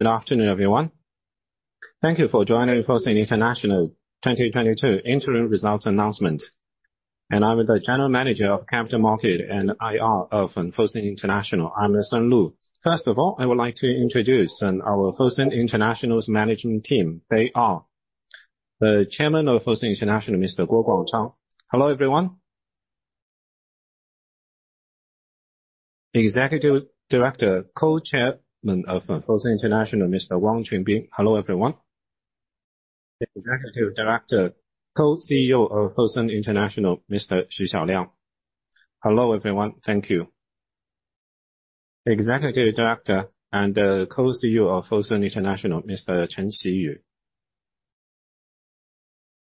Good afternoon, everyone. Thank you for joining Fosun International 2022 Interim Results Announcement. I'm the General Manager of Capital Market and IR of Fosun International. I'm Sun Lu. First of all, I would like to introduce our Fosun International's management team. They are the Chairman of Fosun International, Mr. Guo Guangchang. Hello, everyone. The Executive Director, Co-Chairman of Fosun International, Mr. Wang Qunbin. Hello, everyone. The Executive Director, Co-CEO of Fosun International, Mr. Xu Xiaoliang. Hello, everyone. Thank you. Executive Director and Co-CEO of Fosun International, Mr. Chen Qiyu.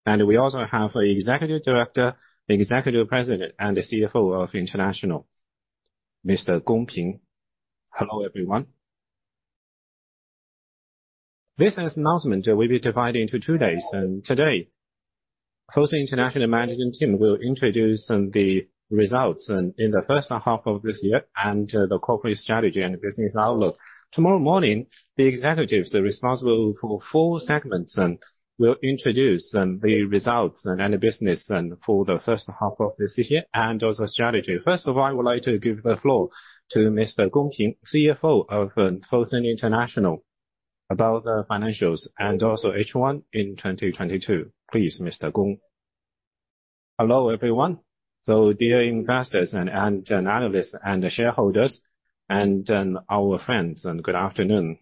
And we also have Executive Director, Executive President, and the CFO of Fosun International, Mr. Gong Ping. Hello, everyone. This announcement will be divided into two days, and today, Fosun International management team will introduce the results in the first half of this year and the corporate strategy and business outlook. Tomorrow morning, the executives responsible for four segments will introduce the results and the business and for the first half of this year, and also strategy. First of all, I would like to give the floor to Mr. Gong Ping, CFO of Fosun International, about the financials and also H1 in 2022. Please, Mr. Gong. Hello, everyone. Dear investors and analysts and shareholders, and our friends, and good afternoon.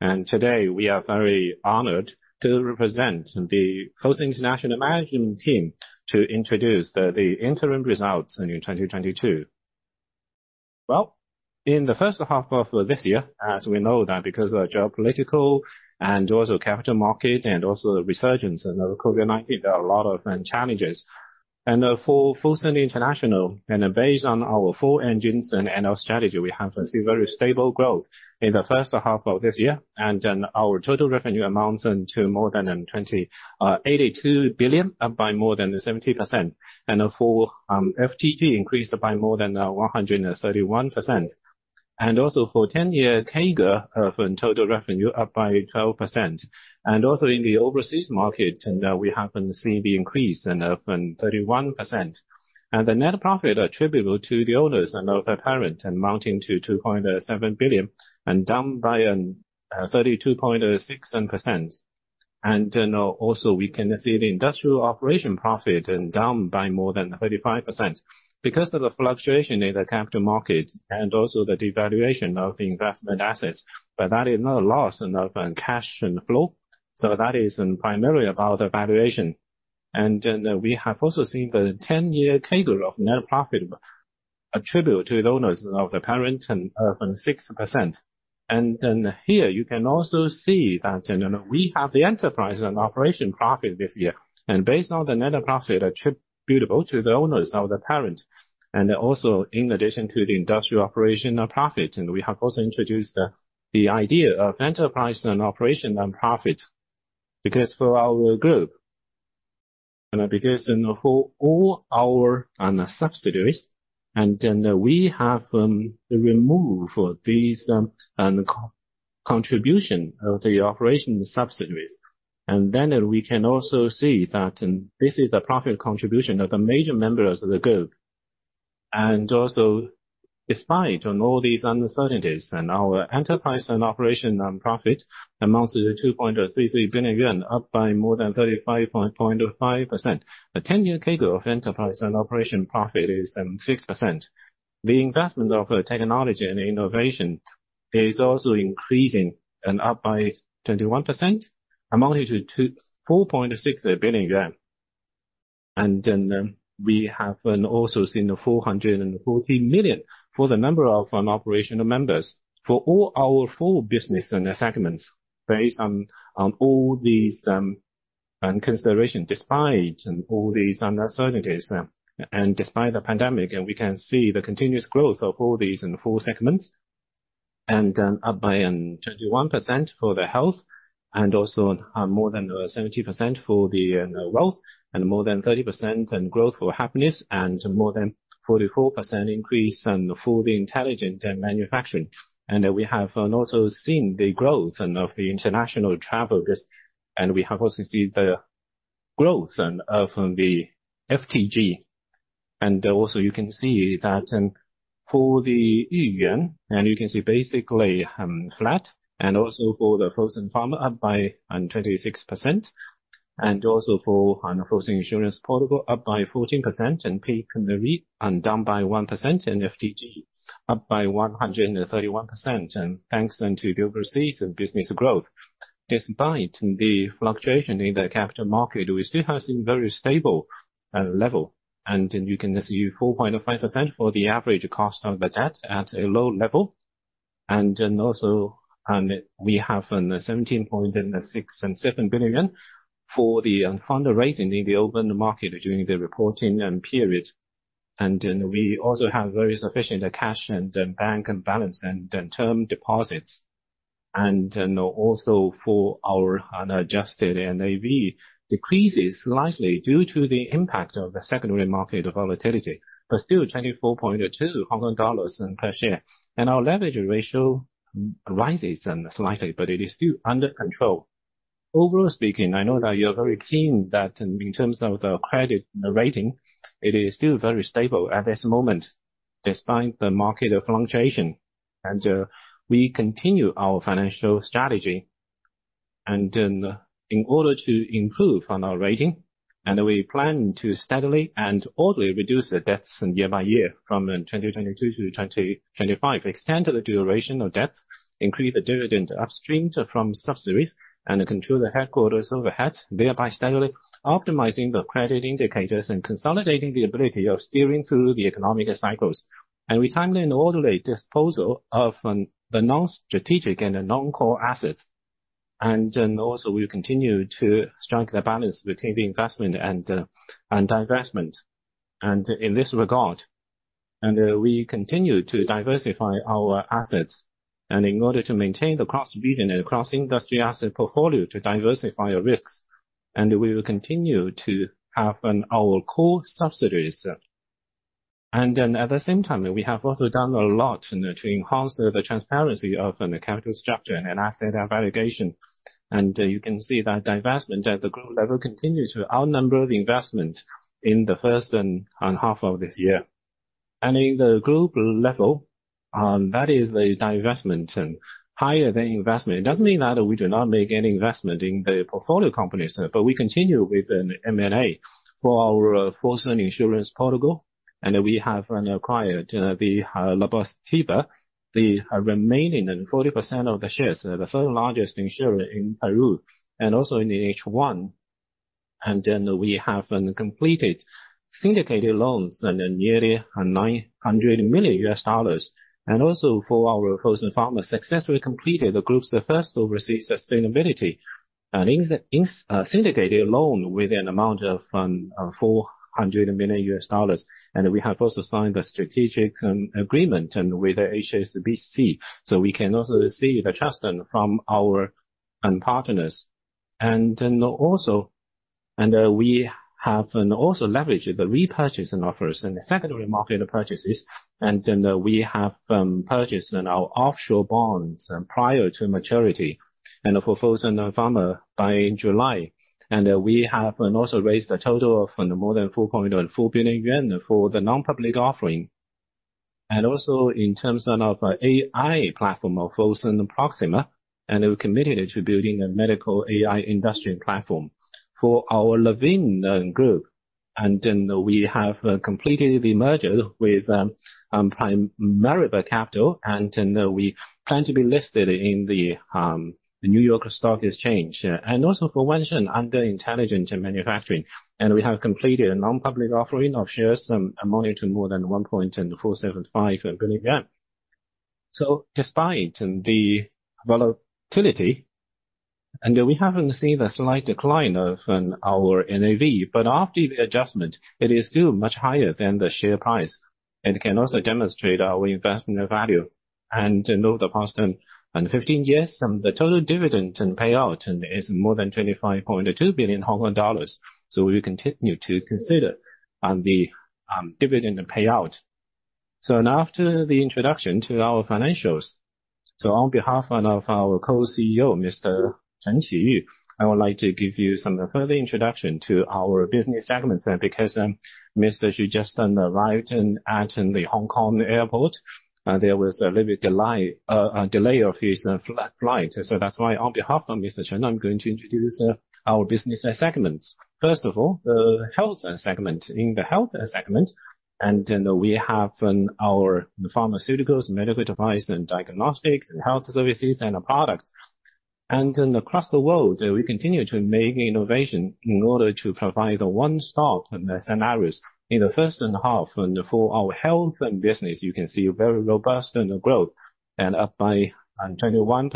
Today, we are very honored to represent the Fosun International management team to introduce the interim results in 2022. Well, in the first half of this year, as we know that because of geopolitical and also capital market and also the resurgence of COVID-19, there are a lot of challenges. For Fosun International, based on our four engines and our strategy, we have seen very stable growth in the first half of this year. Our total revenue amounts to more than 28.2 billion, up by more than 70%. FTG increased by more than 131%. Also, for 10-year CAGR for total revenue up by 12%. Also in the overseas market, we have seen the increase in 31%. The net profit attributable to the owners of the parent amounting to 2.7 billion and down by 32.67%. Also we can see the industrial operation profit down by more than 35%. Because of the fluctuation in the capital market and also the devaluation of the investment assets, but that is not a loss of cash flow. That is primarily about the valuation. We have also seen the 10-year CAGR of net profit attributable to the owners of the parent and 6%. Here you can also see that we have the enterprise and operation profit this year. Based on the net profit attributable to the owners of the parent, and also in addition to the industrial operational profit, we have also introduced the idea of enterprise and operational profit. Because for our group, and because in for all our subsidiaries, we have removed these contribution of the operation subsidiaries. We can also see that this is the profit contribution of the major members of the group. Despite all these uncertainties and our enterprise and operational profit amounts to 2.33 billion yuan, up by more than 35.5%. The ten-year CAGR of enterprise and operation profit is 6%. The investment of technology and innovation is also increasing and up by 21%, amounting to 4.6 billion yuan. We have also seen 414 million for the number of operational members. For all our four business and segments based on all these consideration, despite all these uncertainties, and despite the pandemic, and we can see the continuous growth of all these in the four segments. Up by 21% for the health, and also more than 70% for the wealth, and more than 30% in growth for happiness, and more than 44% increase for the intelligent manufacturing. We have also seen the growth of the international travel business, and we have also seen the growth from the FTG. You can see that in the Yuyuan, and you can see basically flat, and also for the Fosun Pharma up by 26%. Fosun Insurance Portugal up by 14% and Pramerica down by 1% and FTG up by 131%. Thanks to the overseas business growth. Despite the fluctuation in the capital market, we still have seen very stable level. You can see 4.5% for the average cost of the debt at a low level. We have 17.67 billion for the fundraising in the open market during the reporting period. We also have very sufficient cash and bank balance and term deposits. Our unadjusted NAV decreases slightly due to the impact of the secondary market volatility, but still 24.2 Hong Kong dollars per share. Our leverage ratio rises slightly, but it is still under control. Overall speaking, I know that you are very keen that in terms of the credit rating, it is still very stable at this moment despite the market fluctuation. We continue our financial strategy. In order to improve on our rating, we plan to steadily and orderly reduce the debts year by year from 2022 to 2025, extend the duration of debt, increase the dividend upstream from subsidiaries, and control the headquarters overhead, thereby steadily optimizing the credit indicators and consolidating the ability of steering through the economic cycles. We timely and orderly dispose of the non-strategic and the non-core assets. We continue to strike the balance between the investment and divestment. In this regard, we continue to diversify our assets, and in order to maintain the cross-region and cross-industry asset portfolio to diversify our risks, and we will continue to have our core subsidiaries. At the same time, we have also done a lot to enhance the transparency of the capital structure and asset allocation. You can see that divestment at the group level continues to outnumber the investment in the first half of this year. In the group level, that is a divestment higher than investment. It doesn't mean that we do not make any investment in the portfolio companies, but we continue with an M&A for our Fosun Insurance Portugal, and we have acquired the La Positiva Seguros y Reaseguros, the remaining 40% of the shares, the third largest insurer in Peru, and also in the H1. We have completed syndicated loans and nearly $900 million. For our Fosun Pharma, we successfully completed the group's first overseas sustainability and syndicated loan with an amount of $400 million. We have also signed a strategic agreement with HSBC, so we can also receive the trust from our partners. We have also leveraged the repurchase offers and secondary market purchases. We have purchased our offshore bonds prior to maturity and proposed on Fosun Pharma by July. We have also raised a total of more than 4.4 billion yuan for the non-public offering. In terms of AI platform of Fosun Proxima, we're committed to building a medical AI industrial platform for our Lanvin Group. We have completed the merger with Primavera Capital, and we plan to be listed in the New York Stock Exchange. For Wenxin under intelligent manufacturing. We have completed a non-public offering of shares amounting to more than 1.475 billion yuan. Despite the volatility, we haven't seen the slight decline of our NAV, but after the adjustment, it is still much higher than the share price and can also demonstrate our investment value. Over the past 15 years, the total dividend payout is more than 25.2 billion Hong Kong dollars. We continue to consider the dividend payout. Now after the introduction to our financials, on behalf of our co-CEO, Mr. Chen Qiyu, I would like to give you some further introduction to our business segments, because Mr. Qiyu just arrived at the Hong Kong airport. There was a little delay of his flight. That's why on behalf of Mr. Chen Qiyu, I'm going to introduce our business segments. First of all, the health segment. In the health segment, we have our pharmaceuticals, medical device and diagnostics, health services and products. Then across the world, we continue to make innovation in order to provide a one-stop scenarios. In the first half for our health business, you can see very robust growth up by 21%.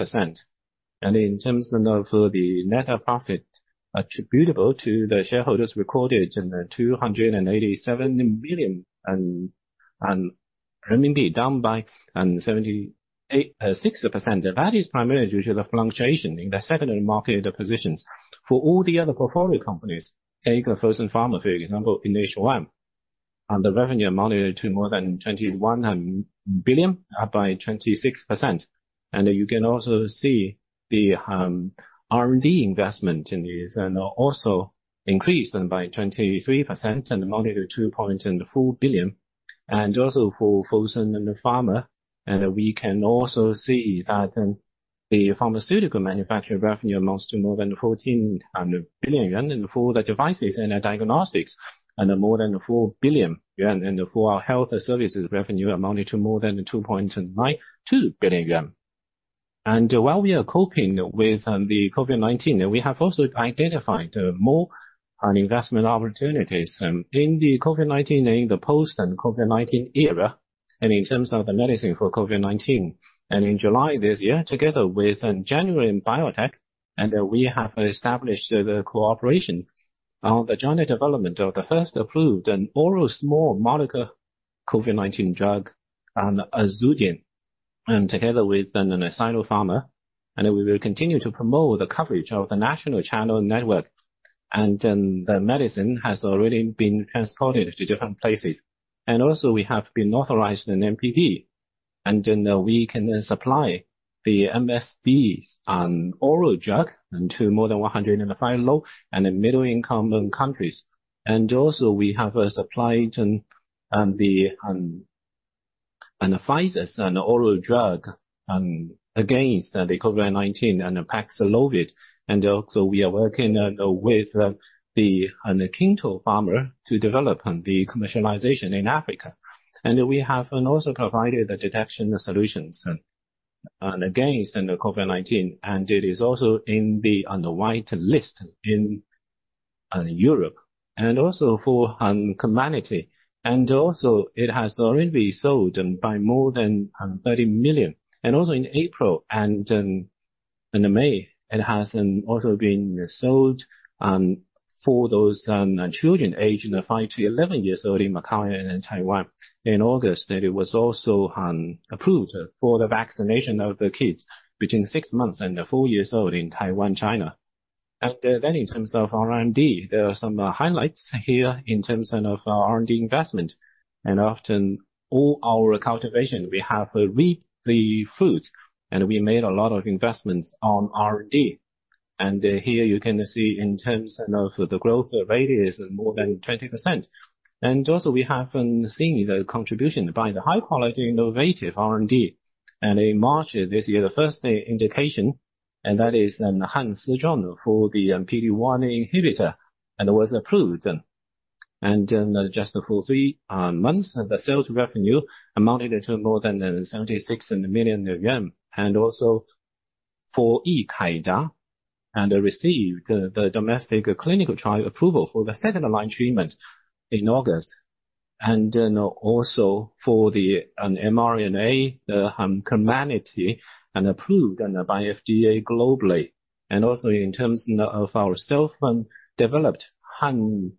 In terms of the net profit attributable to the shareholders recorded 287 million, down by 78.6%. That is primarily due to the fluctuation in the secondary market positions. For all the other portfolio companies, take Fosun Pharma, for example, in H1. The revenue amounted to more than 21 billion, up by 26%. You can also see the R&D investment is also increased by 23% and amounted to 2.4 billion. Also for Fosun Pharma, we can also see that the pharmaceutical manufacturer revenue amounts to more than 14 billion yuan. For the devices and the diagnostics, more than 4 billion yuan. For our health services revenue amounted to more than 2.92 billion yuan. While we are coping with the COVID-19, we have also identified more investment opportunities in the COVID-19 and in the post-COVID-19 era, and in terms of the medicine for COVID-19. In July this year, together with Genuine Biotech, we have established the cooperation on the joint development of the first approved oral small molecule COVID-19 drug, Azvudine, and together with Sinopharm. We will continue to promote the coverage of the national channel network. The medicine has already been transported to different places. We have been authorized in MPP, and then we can supply the MSPs and oral drug into more than 105 low- and middle-income countries. We have supplied Pfizer's oral drug against the COVID-19 and Paxlovid. We are working with the Kintor Pharma to develop the commercialization in Africa. We have provided the detection solutions against the COVID-19, and it is also on the white list in Europe. For Comirnaty. It has already been sold by more than 30 million. In April and in May, it has also been sold for those children aged five to 11 years old in Macau and in Taiwan. In August, it was also approved for the vaccination of the kids between six months and four years old in Taiwan, China. In terms of R&D, there are some highlights here in terms of R&D investment. After all our cultivation, we have reaped the fruits and we made a lot of investments on R&D. Here you can see in terms of the growth rate is more than 20%. We have seen the contribution by the high-quality innovative R&D. In March this year, the first indication, and that is HANSIZHUANG for the PD-1 inhibitor and was approved. Just for three months, the sales revenue amounted to more than 76 million yuan. Also for Yikaida, received the domestic clinical trial approval for the second-line treatment in August. An mRNA Comirnaty approved by FDA globally. Also in terms of our self-developed HANLIKANG,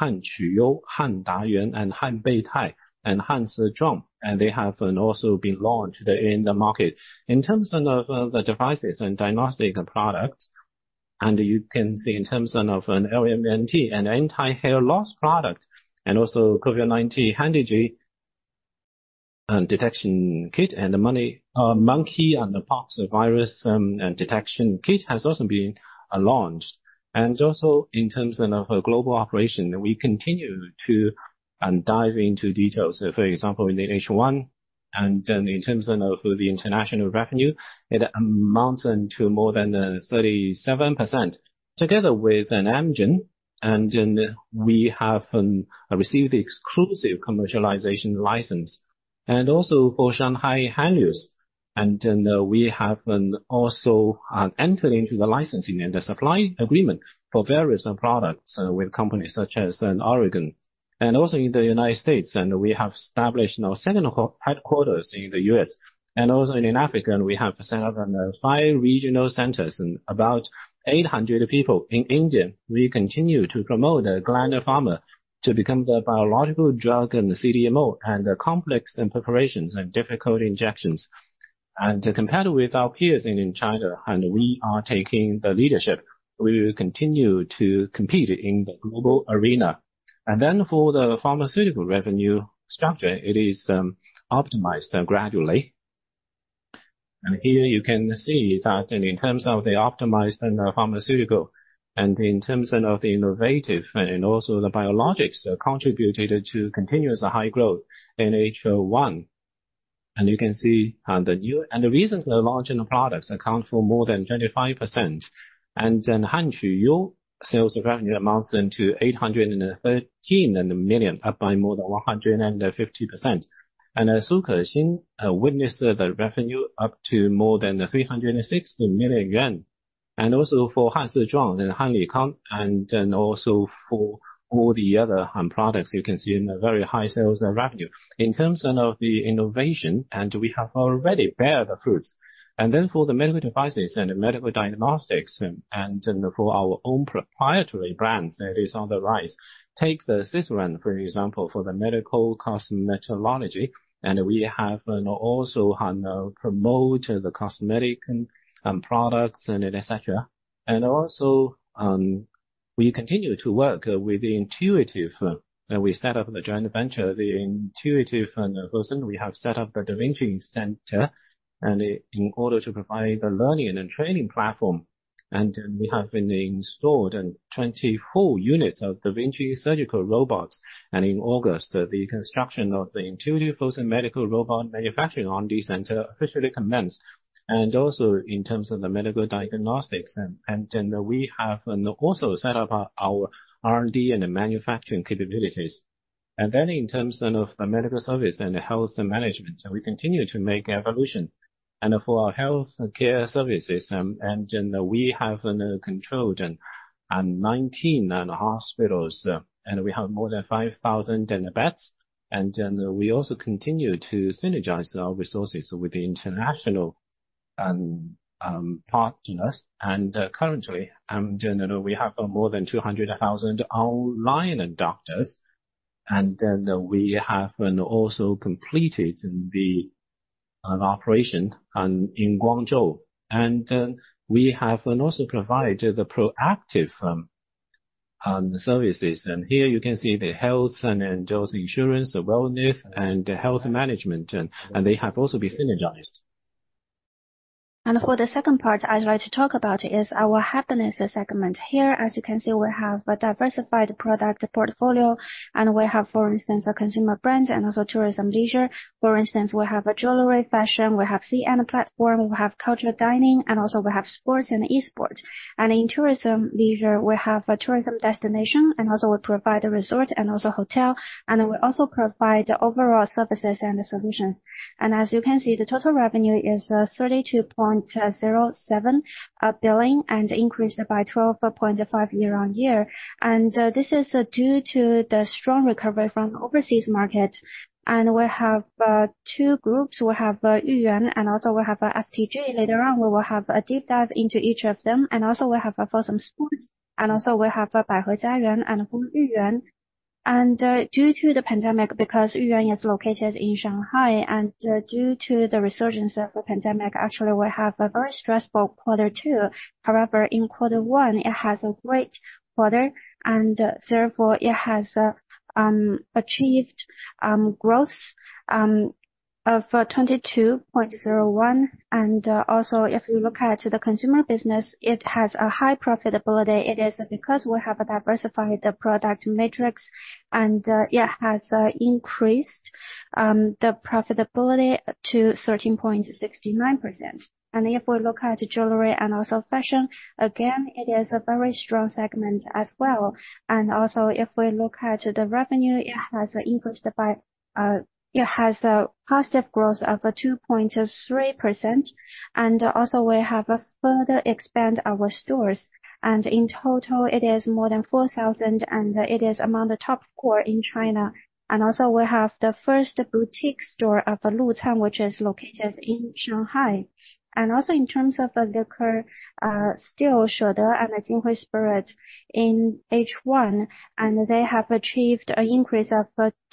HANQUYOU, HANDAYUAN, and HANBEITAI, and HANSIZHUANG, they have also been launched in the market. In terms of the devices and diagnostic products, you can see in terms of LMNT one and anti-hair loss product, and also COVID-19 detection kit and the monkeypox virus detection kit has also been launched. Also in terms of global operation, we continue to dive into details. For example, in H1 in terms of the international revenue, it amounts to more than 37%. Together with Amgen, we have received exclusive commercialization license. For Shanghai Henlius, we have also entered into the licensing and the supply agreement for various products with companies such as Organon. In the United States, we have established our second headquarters in the U.S. In Africa, we have set up five regional centers and about 800 people. In India, we continue to promote Gland Pharma to become the biological drug and CDMO and complex preparations and difficult injections. Compared with our peers in China, we are taking the leadership. We will continue to compete in the global arena. For the pharmaceutical revenue structure, it is optimized gradually. Here you can see that in terms of the optimized pharmaceutical and in terms of the innovative and also the biologics contributed to continuous high growth in H1. You can see the new and recently launched products account for more than 25%. HANQUYOU sales revenue amounts to 813 million, up by more than 150%. SUKEXIN witnessed the revenue up to more than 360 million yuan. Also for HANSIZHUANG and HANLIKANG, and then also for all the other products you can see in a very high sales revenue. In terms of the innovation, we have already borne the fruits. For the medical devices and medical diagnostics, and for our own proprietary brands, it is on the rise. Take the Sisram, for example, for the medical cosmetology, and we have also promote the cosmetic products and et cetera. We continue to work with the Intuitive. We set up a joint venture, the Intuitive Fosun. We have set up a da Vinci center and in order to provide a learning and training platform. We have installed 24 units of da Vinci surgical robots. In August, the construction of the Intuitive Fosun medical robot manufacturing R&D center officially commenced. In terms of the medical diagnostics, we have also set up our R&D and manufacturing capabilities. In terms of the medical service and health management, we continue to make evolution. For our health care services, we have controlled 19 hospitals, and we have more than 5,000 beds. We also continue to synergize our resources with the international partners. Currently, we have more than 200,000 online doctors. Then we have also completed the offline operation in Guangzhou. We have also provided the proactive services. Here you can see the health and those insurance, wellness and health management, and they have also been synergized. For the second part, I'd like to talk about is our happiness segment here. As you can see, we have a diversified product portfolio, and we have, for instance, a consumer brand and also tourism leisure. For instance, we have a jewelry fashion, we have CN platform, we have cultural dining, and also we have sports and e-sport. In tourism leisure, we have a tourism destination, and also we provide a resort and also hotel. We also provide overall services and solution. As you can see, the total revenue is 32.07 billion and increased by 12.5% year-on-year. This is due to the strong recovery from overseas markets. We have two groups. We have Yuyuan, and also we have FTG. Later on, we will have a deep dive into each of them. We have Fosun Sports. We have Baihe Jiayuan and Yuyuan. Due to the pandemic, because Yuyuan is located in Shanghai, and due to the resurgence of the pandemic, actually we have a very stressful quarter two. However, in quarter one, it has a great quarter, and therefore it has achieved growth of 22.01. If you look at the consumer business, it has a high profitability. It is because we have diversified the product matrix and it has increased the profitability to 13.69%. If we look at jewelry and also fashion, again, it is a very strong segment as well. If we look at the revenue, it has increased by. It has a positive growth of 2.3%. We have further expanded our stores. In total, it is more than 4,000, and it is among the top four in China. We have the first boutique store of Lanvin, which is located in Shanghai. In terms of liquor, still Shede and Jinhui Liquor in H1, and they have achieved an increase of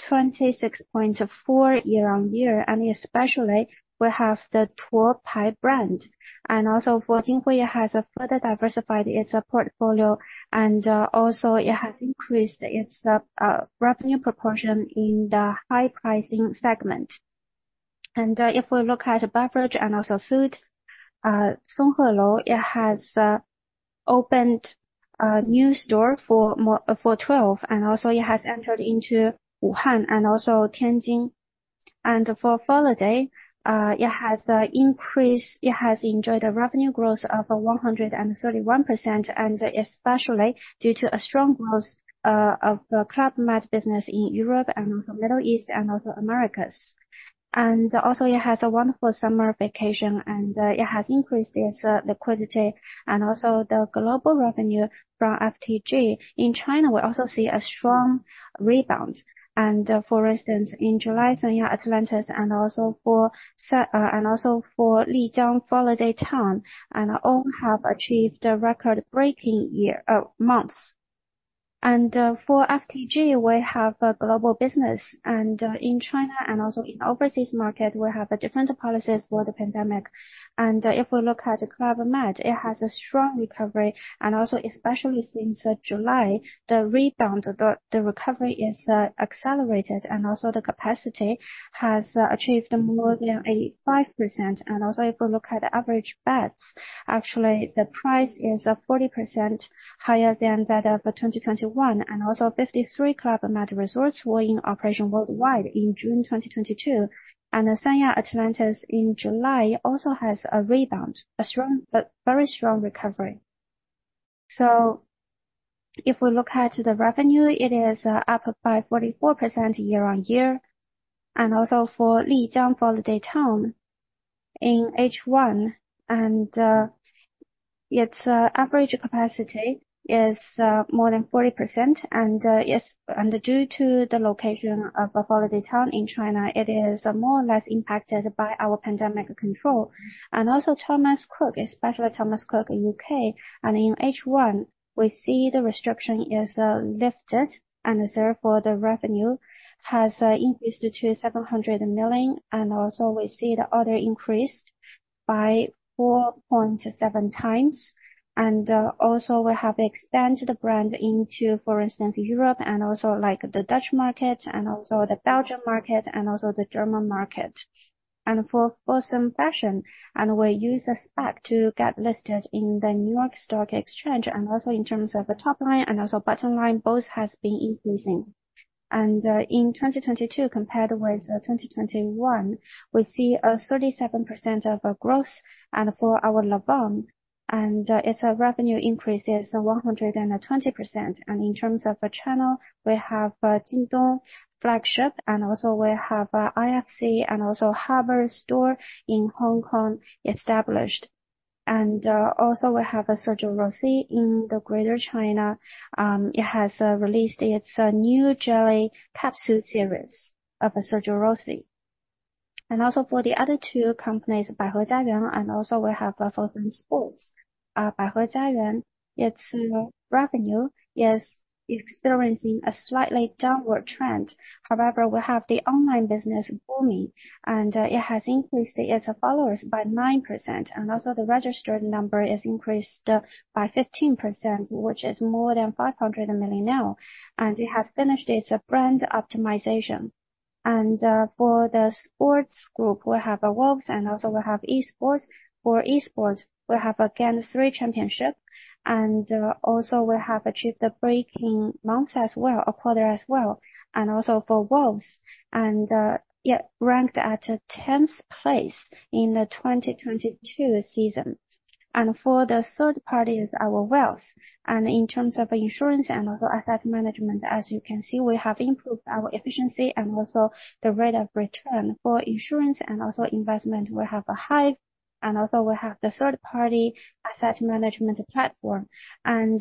26.4% year-on-year. Especially we have the Tuopai brand. For Jinhui, it has further diversified its portfolio, and also it has increased its revenue proportion in the high pricing segment. If we look at beverage and also food, Song He Lou, it has opened a new store for 12, and also it has entered into Wuhan and also Tianjin. For holiday, it has increased... It has enjoyed a revenue growth of 131%, and especially due to a strong growth of the Club Med business in Europe and also Middle East and also Americas. It also has a wonderful summer vacation, and it has increased its liquidity and also the global revenue from FTG. In China, we also see a strong rebound. For instance, in July, Atlantis Sanya and also Lijiang Holiday Town, and all have achieved a record-breaking year months. For FTG, we have a global business. In China and also in overseas market, we have different policies for the pandemic. If we look at Club Med, it has a strong recovery. Especially since July, the rebound, the recovery is accelerated and also the capacity has achieved more than 85%. If we look at average beds, actually the price is 40% higher than that of 2021. 53 Club Med resorts were in operation worldwide in June 2022. Atlantis Sanya in July also has a rebound, a very strong recovery. If we look at the revenue, it is up by 44% year-on-year. For FOLIDAY Town Lijiang in H1, its average capacity is more than 40%. Due to the location of the FOLIDAY Town in China, it is more or less impacted by our pandemic control. Thomas Cook, especially Thomas Cook U.K., and in H1, we see the restriction is lifted and therefore the revenue has increased to 700 million. We see the order increased by 4.7x. We have expanded the brand into, for instance, Europe and also like the Dutch market and also the Belgium market and also the German market. For some fashion, we use a SPAC to get listed in the New York Stock Exchange. In terms of the top line and also bottom line, both has been increasing. In 2022 compared with 2021, we see a 37% of growth. For our Lanvin, its revenue increase is 120%. In terms of the channel, we have Jingdong flagship, and also we have IFC, and also Harbour City in Hong Kong established. Also we have Sergio Rossi in the Greater China. It has released its new jelly capsule series of Sergio Rossi. Also for the other two companies, Baihe Jiayuan, and also we have Fosun Sports. Baihe Jiayuan, its revenue is experiencing a slightly downward trend. However, we have the online business booming, and it has increased its followers by 9%, and also the registered number is increased by 15%, which is more than 500 million now. It has finished its brand optimization. For the sports group, we have Wolves, and also we have Esports. For Esports, we have again three championship. We have achieved record-breaking months as well, or quarter as well. For Wolves, it ranked at 10th place in the 2022 season. For the third-party is our wealth, and in terms of insurance and also asset management, as you can see, we have improved our efficiency and also the rate of return. For insurance and also investment, we have a Fosun Hive, and also we have the third-party asset management platform. In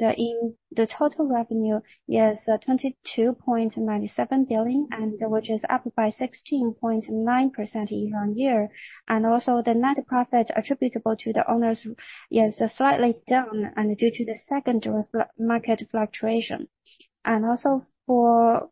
the total revenue is 22.97 billion, which is up by 16.9% year-on-year. The net profit attributable to the owners is slightly down due to the secondary market fluctuation. For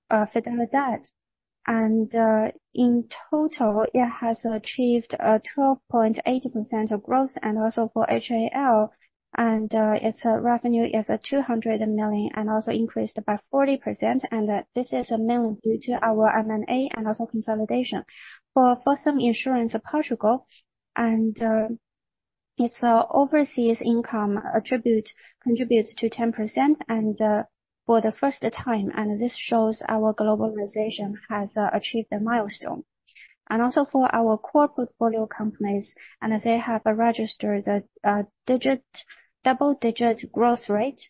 Fidelidade, in total, it has achieved a 12.8% growth. Also for HAL, its revenue is 200 million and also increased by 40%. This is mainly due to our M&A and also consolidation. For Fosun Insurance Portugal, its overseas income attribute contributes to 10% for the first time, and this shows our globalization has achieved a milestone. Also for our core portfolio companies, they have registered double-digit growth rate.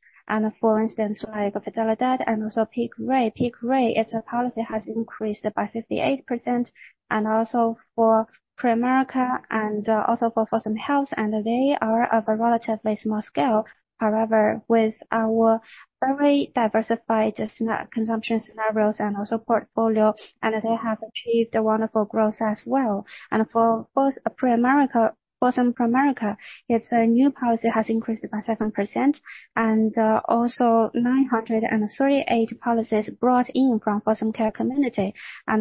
For instance, like Fidelidade and also Peak Re. Peak Re, its policy has increased by 58%. Also for Pramerica and also for Fosun Health, they are of a relatively small scale. However, with our very diversified consumption scenarios and also portfolio, they have achieved a wonderful growth as well. For both Pramerica—Fosun Pramerica, its new policy has increased by 7%. Also 938 policies brought in from Fosun Care Community.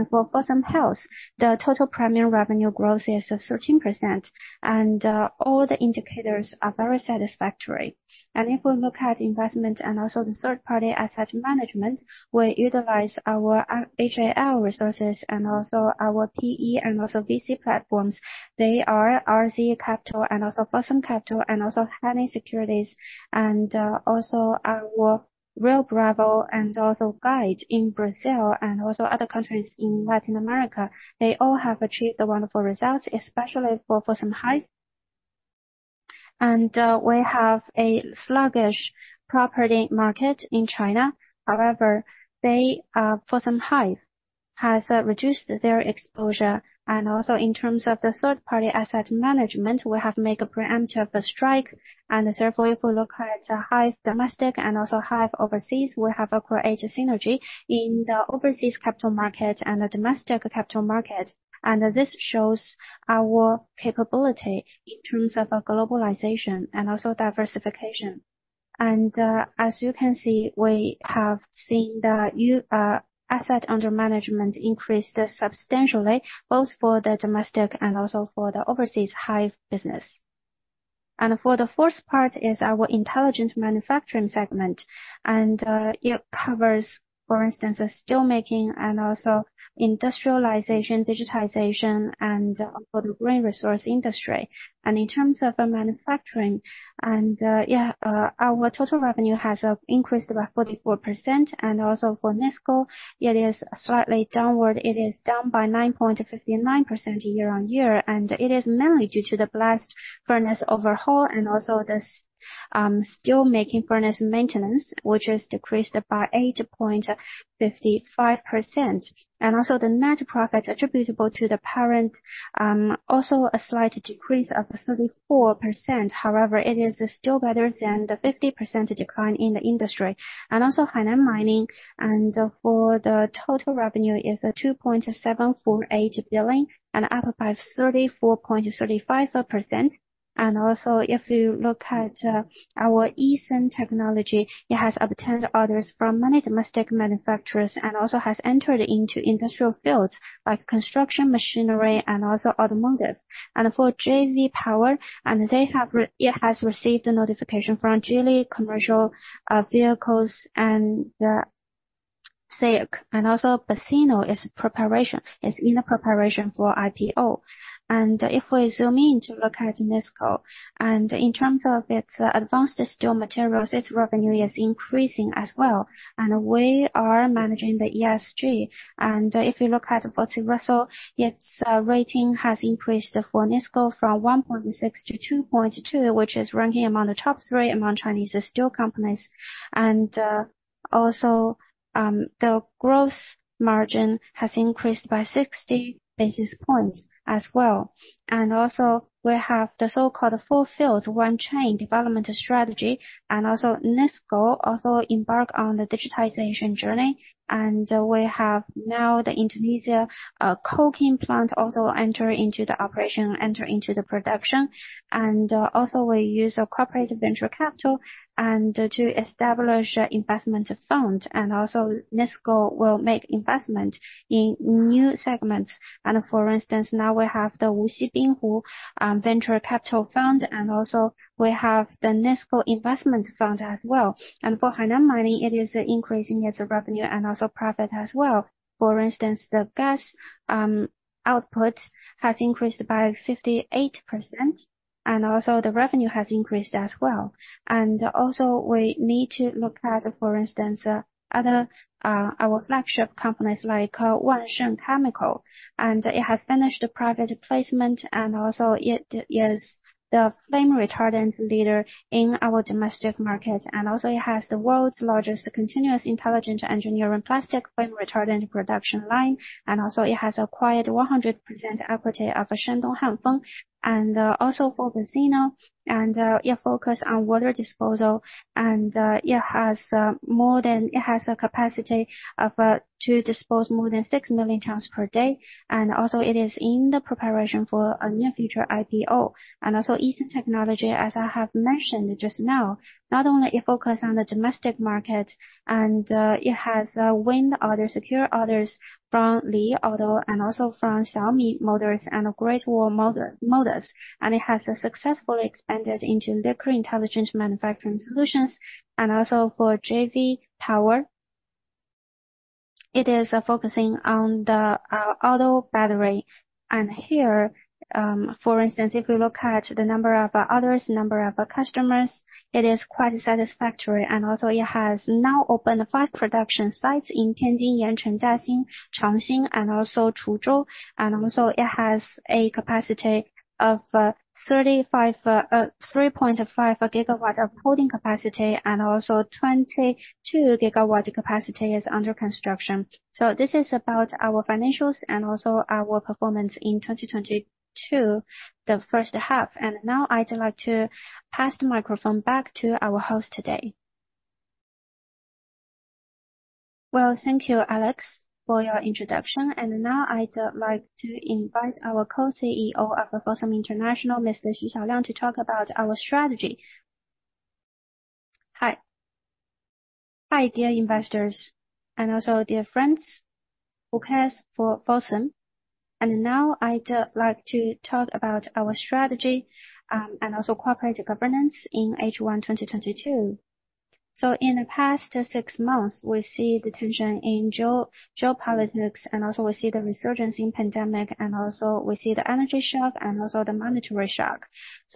For Fosun Health, the total premium revenue growth is 13%. All the indicators are very satisfactory. If we look at investment and also the third-party asset management, we utilize our HAL resources and also our PE and also VC platforms. They are RZ Capital and also Fosun Capital and also Fosun Hani Securities and also our Rio Bravo Investimentos and also Guide Investimentos in Brazil and also other countries in Latin America. They all have achieved wonderful results, especially for Fosun Hive. We have a sluggish property market in China. However, they, Fosun Hive has reduced their exposure. Also in terms of the third-party asset management, we have made a preemptive strike. Therefore, if we look at Hive domestic and also Hive overseas, we have created synergy in the overseas capital market and the domestic capital market. This shows our capability in terms of globalization and also diversification. As you can see, we have seen the asset under management increase substantially, both for the domestic and also for the overseas Hive business. For the fourth part is our intelligent manufacturing segment. It covers, for instance, steel making and also industrialization, digitization and for the grain resource industry. In terms of manufacturing and our total revenue has increased by 44%. Also for Nanjing Iron & Steel, it is slightly downward. It is down by 9.59% year-on-year, and it is mainly due to the blast furnace overhaul and also the steelmaking furnace maintenance, which has decreased by 8.55%. The net profit attributable to the parent also a slight decrease of 34%. However, it is still better than the 50% decline in the industry. Hainan Mining and for the total revenue is 2.748 billion and up by 34.35%. If you look at our Easun Technology, it has obtained orders from many domestic manufacturers and also has entered into industrial fields like construction, machinery and also automotive. For JEVE Power, it has received a notification from Geely Commercial Vehicles and the SAIC. BESINO is in the preparation for IPO. If we zoom in to look at Nanjing Iron & Steel, in terms of its advanced steel materials, its revenue is increasing as well. We are managing the ESG. If you look at FTSE Russell, its rating has increased for Nanjing Iron & Steel from 1.6 to 2.2, which is ranking among the top three among Chinese steel companies. The growth margin has increased by 60 basis points as well. We have the so-called full industrial chain development strategy, and Nanjing Iron & Steel embark on the digitization journey. We have now the Indonesia coking plant also enter into the production. We use a corporate venture capital to establish investment fund. Nanjing Iron & Steel will make investment in new segments. For instance, now we have the Wuxi Dingshuo venture capital fund, and also we have the NISCO investment fund as well. For Hainan Mining, it is increasing its revenue and also profit as well. For instance, the gas output has increased by 58%, and also the revenue has increased as well. We need to look at, for instance, other our flagship companies like Wansheng Chemical, and it has finished private placement, and also it is the flame retardant leader in our domestic market. It has the world's largest continuous intelligent engineering plastic flame retardant production line, and also it has acquired 100% equity of Shandong Hanfeng. For BESINO, it focus on water disposal, and it has more than... It has a capacity of to dispose more than 6 million tons per day. It is in the preparation for a new future IPO. EASUN Technology, as I have mentioned just now, not only it focus on the domestic market and it has win other secure orders from Li Auto and also from Xiaomi Auto and Great Wall Motor. It has successfully expanded into liquid intelligent manufacturing solutions. For Jiewei Power, it is focusing on the auto battery. Here, for instance, if you look at the number of orders, number of customers, it is quite satisfactory. It has now opened five production sites in Tianjin, Yancheng, Jiaxing, Changxing and Chuzhou. It has a capacity of 3.5 GW of holding capacity and also 22 GW capacity is under construction. This is about our financials and also our performance in 2022, the first half. Now I'd like to pass the microphone back to our host today. Well, thank you, Alex, for your introduction. Now I'd like to invite our co-CEO of Fosun International, Mr. Xu Xiaoliang, to talk about our strategy. Hi, dear investors and also dear friends who cares for Fosun. Now I'd like to talk about our strategy, and also corporate governance in H1 2022. In the past six months, we see the tension in geopolitics, and also we see the resurgence in pandemic, and also we see the energy shock and also the monetary shock.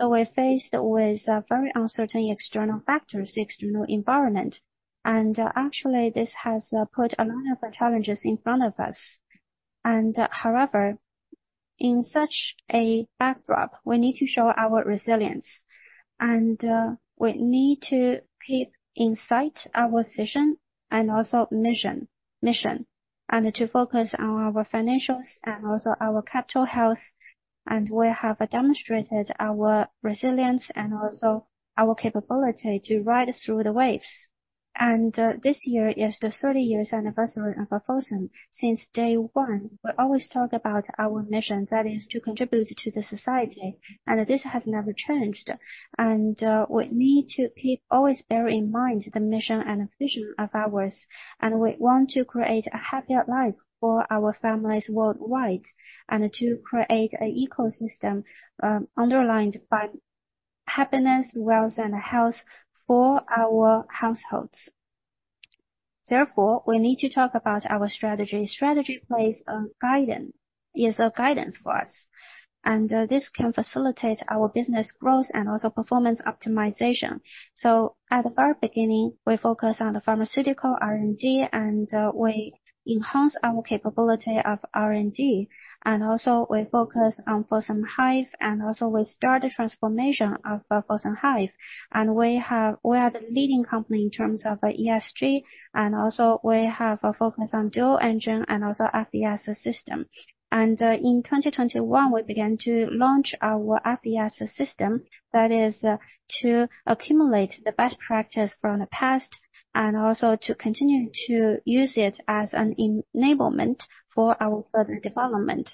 We're faced with very uncertain external factors, external environment. Actually, this has put a lot of challenges in front of us. However, in such a backdrop, we need to show our resilience and we need to keep in sight our vision and also mission and to focus on our financials and also our capital health. We have demonstrated our resilience and also our capability to ride through the waves. This year is the 30-year anniversary of Fosun. Since day one, we always talk about our mission, that is to contribute to the society, and this has never changed. We need to keep always bear in mind the mission and vision of ours, and we want to create a happier life for our families worldwide and to create an ecosystem, underlined by happiness, wealth, and health for our households. Therefore, we need to talk about our strategy. Strategy is a guidance for us, and this can facilitate our business growth and also performance optimization. At the very beginning, we focus on the pharmaceutical R&D, and we enhance our capability of R&D. We also focus on Fosun Hive, and also we start the transformation of Fosun Hive. We are the leading company in terms of ESG, and also we have a focus on dual engine and also FES system. In 2021, we began to launch our FES system, that is, to accumulate the best practice from the past and also to continue to use it as an enablement for our further development.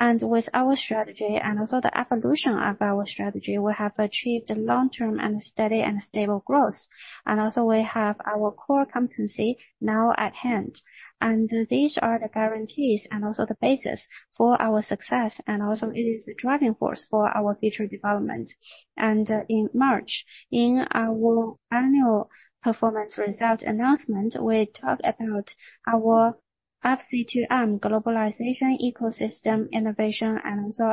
With our strategy and also the evolution of our strategy, we have achieved long-term and steady and stable growth. We have our core competency now at hand. These are the guarantees and also the basis for our success and also it is the driving force for our future development. In March, in our annual performance result announcement, we talked about our FC2M globalization ecosystem innovation and also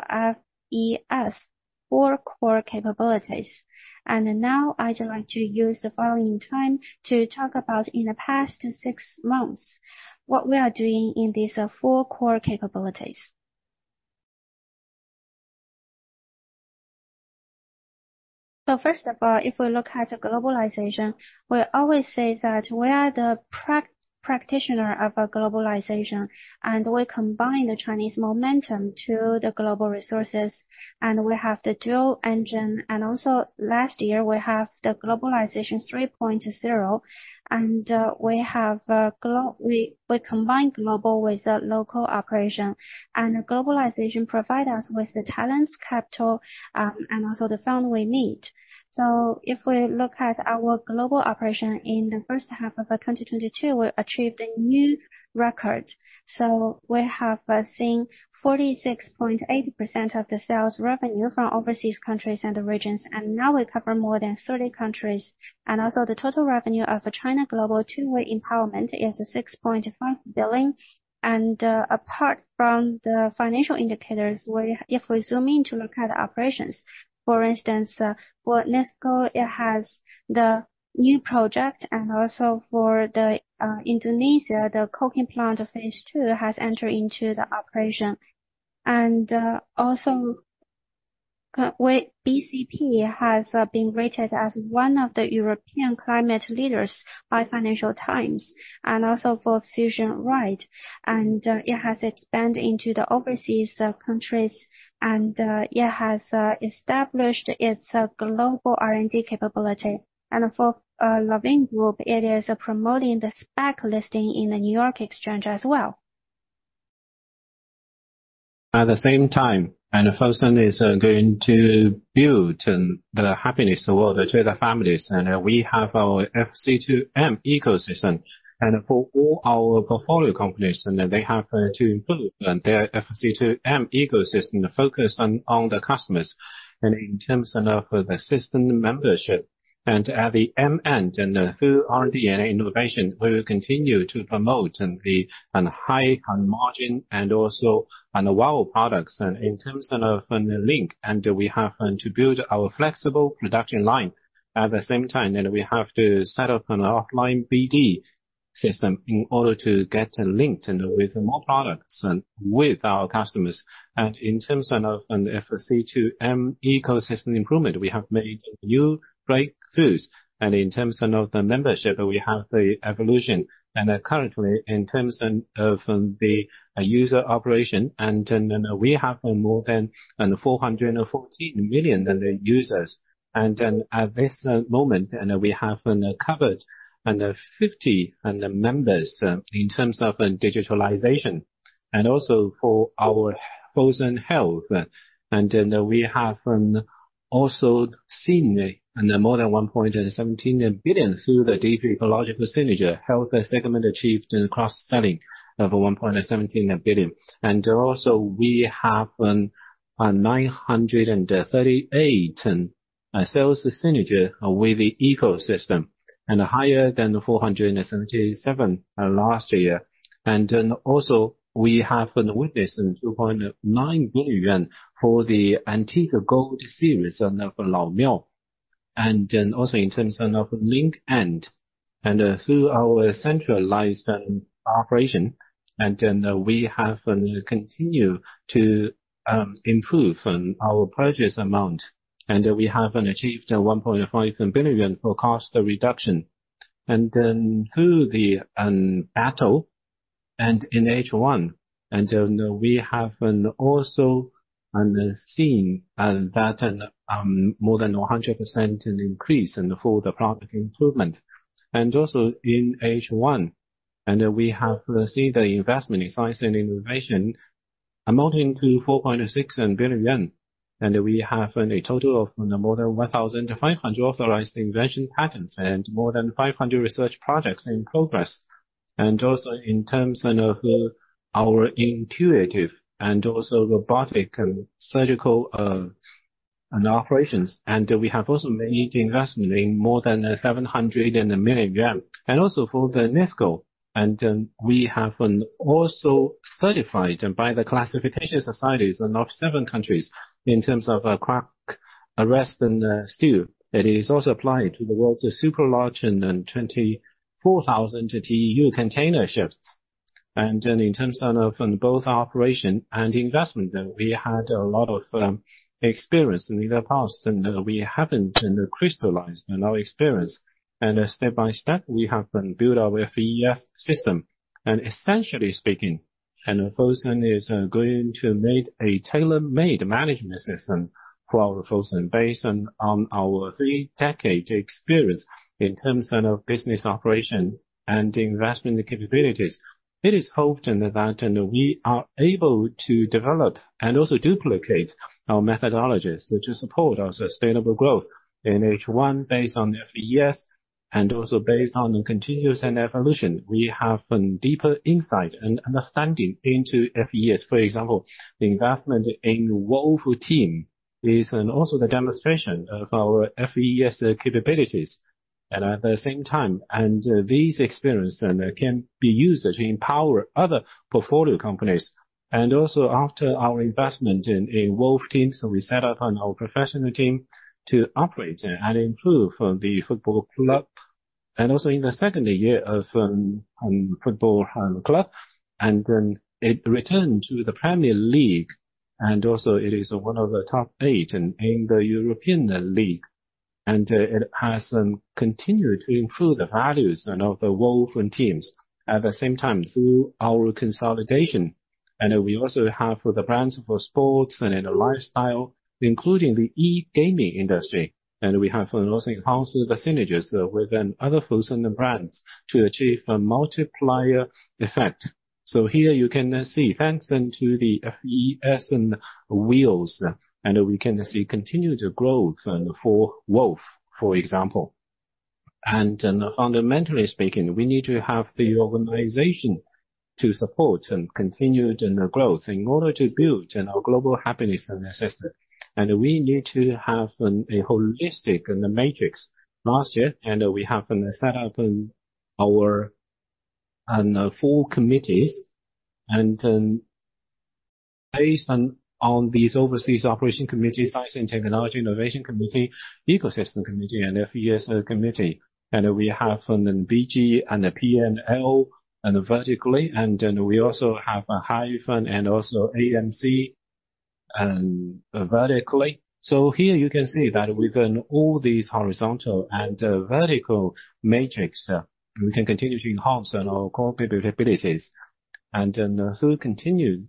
FES 4 core capabilities. Now I'd like to use the following time to talk about in the past six months, what we are doing in these four core capabilities. First of all, if we look at globalization, we always say that we are the practitioner of a globalization, and we combine the Chinese momentum to the global resources, and we have the dual engine. Also last year, we have the Globalization 3.0, and we combine global with the local operation. Globalization provide us with the talents, capital, and also the fund we need. If we look at our global operation in the first half of 2022, we achieved a new record. We have seen 46.8% of the sales revenue from overseas countries and the regions, and now we cover more than 30 countries. The total revenue of China Global Two-Way Empowerment is 6.5 billion. Apart from the financial indicators, if we zoom in to look at operations, for instance, for NISCO, it has the new project. For Indonesia, the coking plant phase two has entered into the operation. Our BCP has been rated as one of the European climate leaders by Financial Times, and also for Fosun Pharma. It has expanded into the overseas countries, and it has established its global R&D capability. For Lanvin Group, it is promoting the SPAC listing in the New York Stock Exchange as well. At the same time, Fosun is going to build the happiness world to the families. We have our FC2M ecosystem. For all our portfolio companies, they have to improve their FC2M ecosystem focus on the customers. In terms of the system membership and at the M end and through R&D and innovation, we will continue to promote the high margin and also on the WOW products. In terms of Link, we have to build our flexible production line at the same time. We have to set up an offline BD system in order to get linked with more products and with our customers. In terms of an FC2M ecosystem improvement, we have made new breakthroughs. In terms of the membership, we have the evolution. Currently, in terms of the user operation, we have more than 414 million users. At this moment, we have covered under 50 members in terms of digitalization. For our Fosun Health, we have also seen more than 1.17 billion through the deeper ecological synergy. Health segment achieved in cross-selling of 1.17 billion. We have a 938 sales synergy with the ecosystem, higher than 477 last year. We have witnessed 2.9 billion yuan for the Antique Gold series of Lao Miao. In terms of Link End, through our centralized operation, we have continued to improve on our purchase amount. We have achieved 1.5 billion for cost reduction. Through the battle in H1, we have also seen more than 100% increase in terms of product improvement. In H1, we have seen the investment in science and innovation amounting to 4.6 billion yuan. We have a total of more than 1,500 authorized invention patents and more than 500 research projects in progress. In terms of our Intuitive and also robotic surgical operations, we have also made investment in more than 700 million yuan. For the NISCO, we have also been certified by the classification societies of seven countries in terms of crack arrest and steel. It is also applied to the world's super-large 24,000 TEU container ships. In terms of both operation and investment, we had a lot of experience in the past, and we haven't crystallized our experience. Step by step, we have been build our FES system. Essentially speaking, Fosun is going to make a tailor-made management system for Fosun based on our three-decade experience in terms of business operation and investment capabilities. It is hoped that we are able to develop and also duplicate our methodologies to support our sustainable growth in H1 based on FES and also based on continuous evolution. We have a deeper insight and understanding into FES. For example, investment in Wolves is also the demonstration of our FES capabilities. At the same time, these experience can be used to empower other portfolio companies. After our investment in Wolves, we set up our professional team to operate and improve the football club. In the second year of the football club, it returned to the Premier League, and it is one of the top eight in the Europa League. It has continued to improve the value of the Wolves. At the same time, through our consolidation, we also have the brands in sports and lifestyle, including the e-gaming industry. We have also enhanced the synergies with other Fosun brands to achieve a multiplier effect. Here you can see, thanks to the FES wheels, and we can see continued growth for Wolves, for example. Fundamentally speaking, we need to have the organization to support and continued in the growth in order to build in our global happiness and assessment. We need to have a holistic and the matrix. Last year, we have set up our four committees and based on these overseas operation committees, science and technology, innovation committee, ecosystem committee, and FES committee. We have BG and P&L and vertically, and then we also have a Hive and also AMC and vertically. So here you can see that within all these horizontal and vertical matrix, we can continue to enhance our core capabilities and then through continued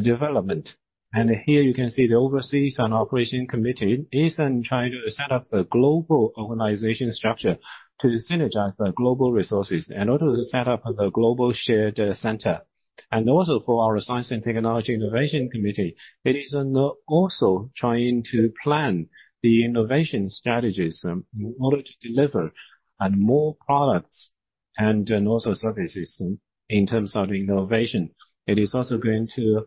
development. Here you can see the overseas and operation committee is trying to set up a global organization structure to synergize the global resources in order to set up the global shared center. Also for our science and technology innovation committee, it is also trying to plan the innovation strategies in order to deliver on more products and then also services in terms of innovation. It is also going to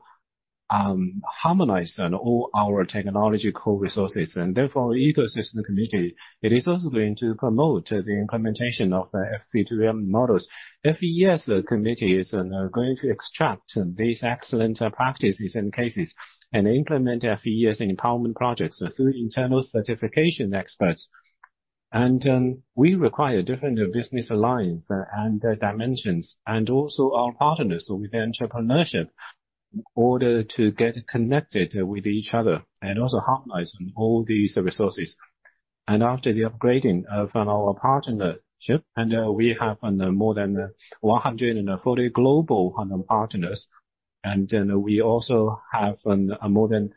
harmonize all our technological resources. Therefore, ecosystem committee, it is also going to promote the implementation of the FC2M models. FES committee is going to extract these excellent practices and cases and implement FES empowerment projects through internal certification experts. We require different business alliance and dimensions, and also our partners with entrepreneurship in order to get connected with each other and also harmonize all these resources. After the upgrading of our partnership, we have more than 140 global partners. We also have a more than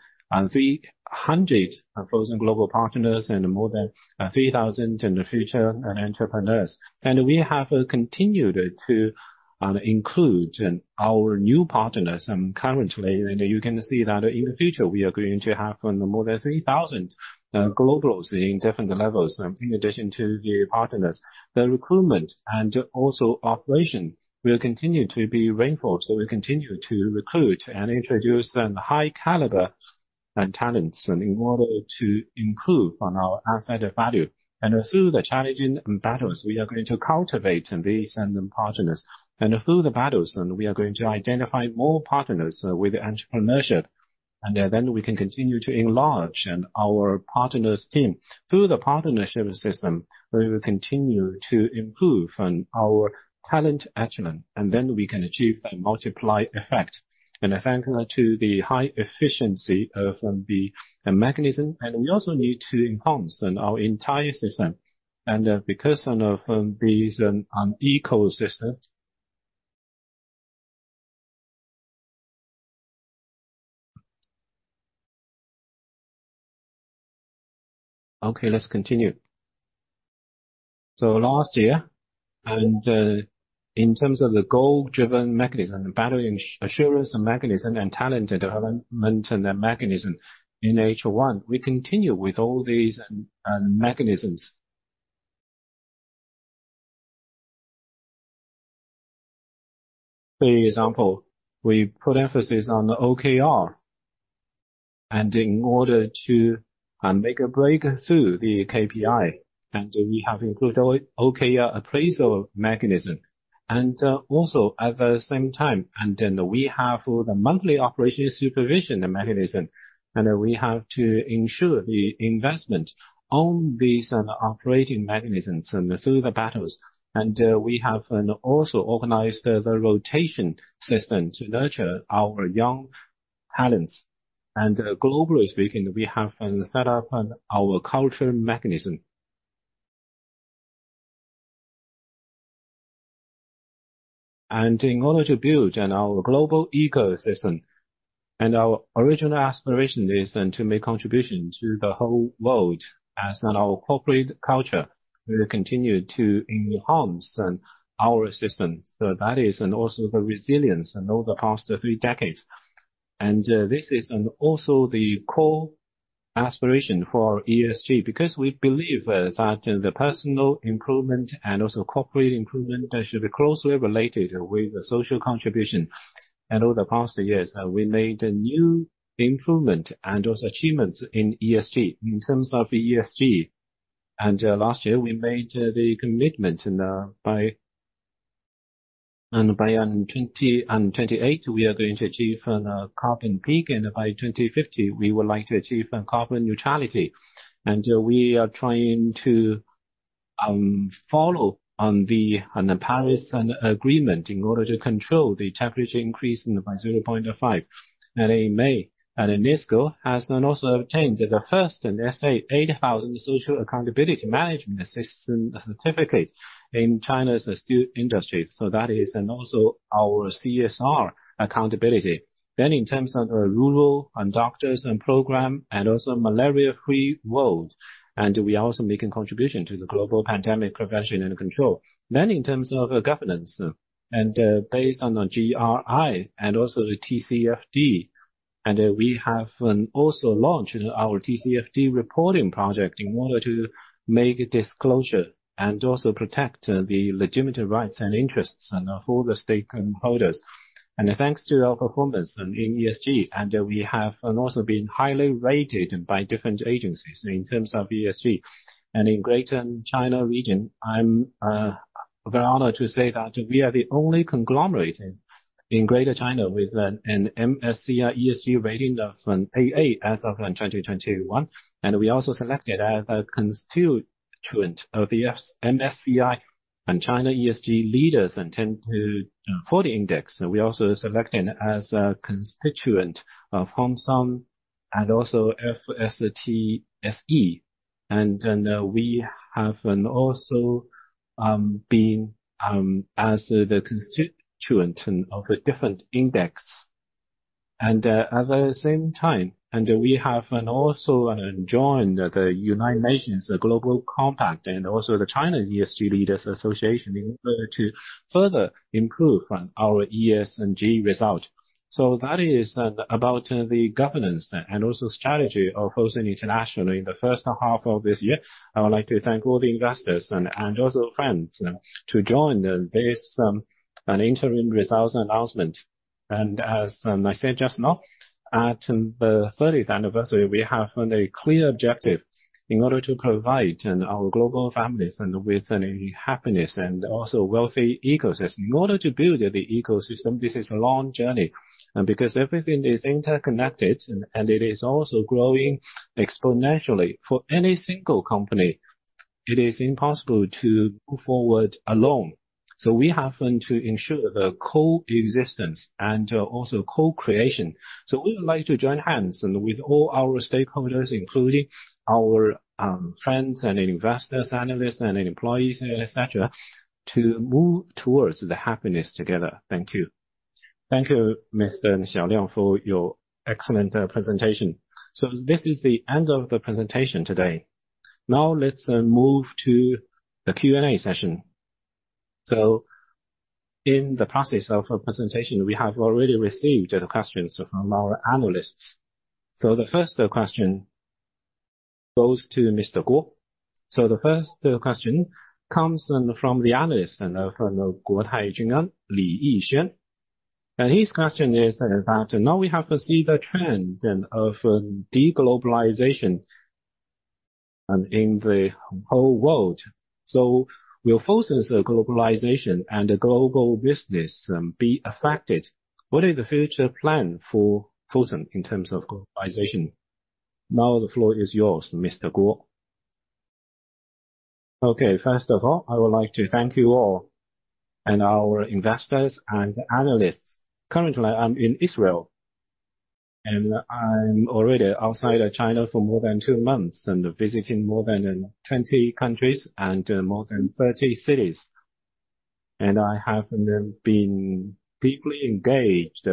300,000 global partners and more than 3,000 in the future entrepreneurs. We have continued to include our new partners currently. You can see that in the future, we are going to have more than 3,000 globals in different levels in addition to the partners. The recruitment and also operation will continue to be reinforced. We continue to recruit and introduce some high caliber and talents in order to improve on our outsider value. Through the challenging battles, we are going to cultivate these partners. Through the battles, we are going to identify more partners with entrepreneurship. We can continue to enlarge our partners team. Through the partnership system, we will continue to improve on our talent echelon, and then we can achieve a multiplier effect. Thanks to the high efficiency of the mechanism, and we also need to enhance our entire system. Because of this ecosystem. Okay, let's continue. Last year, in terms of the goal-driven mechanism, battle assurance mechanism, and talent development mechanism in H1, we continue with all these mechanisms. For example, we put emphasis on the OKR, and in order to make a breakthrough the KPI, and we have included OKR appraisal mechanism. At the same time, we have the monthly operation supervision mechanism, and we have to ensure the investment on these operating mechanisms and through the battles. We have also organized the rotation system to nurture our young talents. Globally speaking, we have set up our culture mechanism. In order to build our global ecosystem and our original aspiration is to make contribution to the whole world as our corporate culture will continue to enhance our systems. That is also the resilience in all the past three decades. This is also the core aspiration for ESG, because we believe that the personal improvement and also corporate improvement should be closely related with the social contribution. In all the past years, we made a new improvement and those achievements in ESG. In terms of ESG, last year, we made the commitment by 2028, we are going to achieve carbon peak. By 2050, we would like to achieve carbon neutrality. We are trying to follow on the, on the Paris Agreement in order to control the temperature increase by 0.5. In May, UNESCO has then also obtained the first SA8000 social accountability management system certificate in China's steel industry. That is then also our CSR accountability. In terms of rural doctors program and also malaria-free world. We are also making contribution to the global pandemic prevention and control. In terms of governance, based on the GRI and also the TCFD, we have also launched our TCFD reporting project in order to make disclosure and also protect the legitimate rights and interests of all the stakeholders. Thanks to our performance in ESG, we have also been highly rated by different agencies in terms of ESG. In Greater China region, I'm very honored to say that we are the only conglomerate in Greater China with an MSCI ESG rating of AA as of 2021. We also selected as a constituent of the MSCI China ESG Leaders 10-40 Index. We're also selected as a constituent of Hang Seng and also FTSE. We have an also being as the constituent of the different index. At the same time, we have an also joined the United Nations Global Compact and also the China ESG Leaders Association in order to further improve on our ESG result. That is about the governance and also strategy of Fosun International in the first half of this year. I would like to thank all the investors and also friends to join this interim results announcement. As I said just now, at the thirtieth anniversary, we have a clear objective in order to provide our global families and with any happiness and also wealthy ecosystem. In order to build the ecosystem, this is a long journey. Because everything is interconnected and it is also growing exponentially for any single company, it is impossible to move forward alone. We have to ensure the co-existence and also co-creation. We would like to join hands with all our stakeholders, including our friends and investors, analysts, and employees, et cetera, to move towards the happiness together. Thank you. Thank you, Mr. Xu Xiaoliang, for your excellent presentation. This is the end of the presentation today. Now let's move to the Q&A session. In the process of presentation, we have already received the questions from our analysts. The first question goes to Mr. Guo Guangchang. The first question comes from the analyst, and his question is that now we have to see the trend of de-globalization in the whole world. Will Fosun's globalization and global business be affected? What is the future plan for Fosun in terms of globalization? Now, the floor is yours, Mr. Guo Guangchang. Okay. First of all, I would like to thank you all and our investors and analysts. Currently, I'm in Israel, and I'm already outside of China for more than two months and visiting more than 20 countries and more than 30 cities. I have been deeply engaged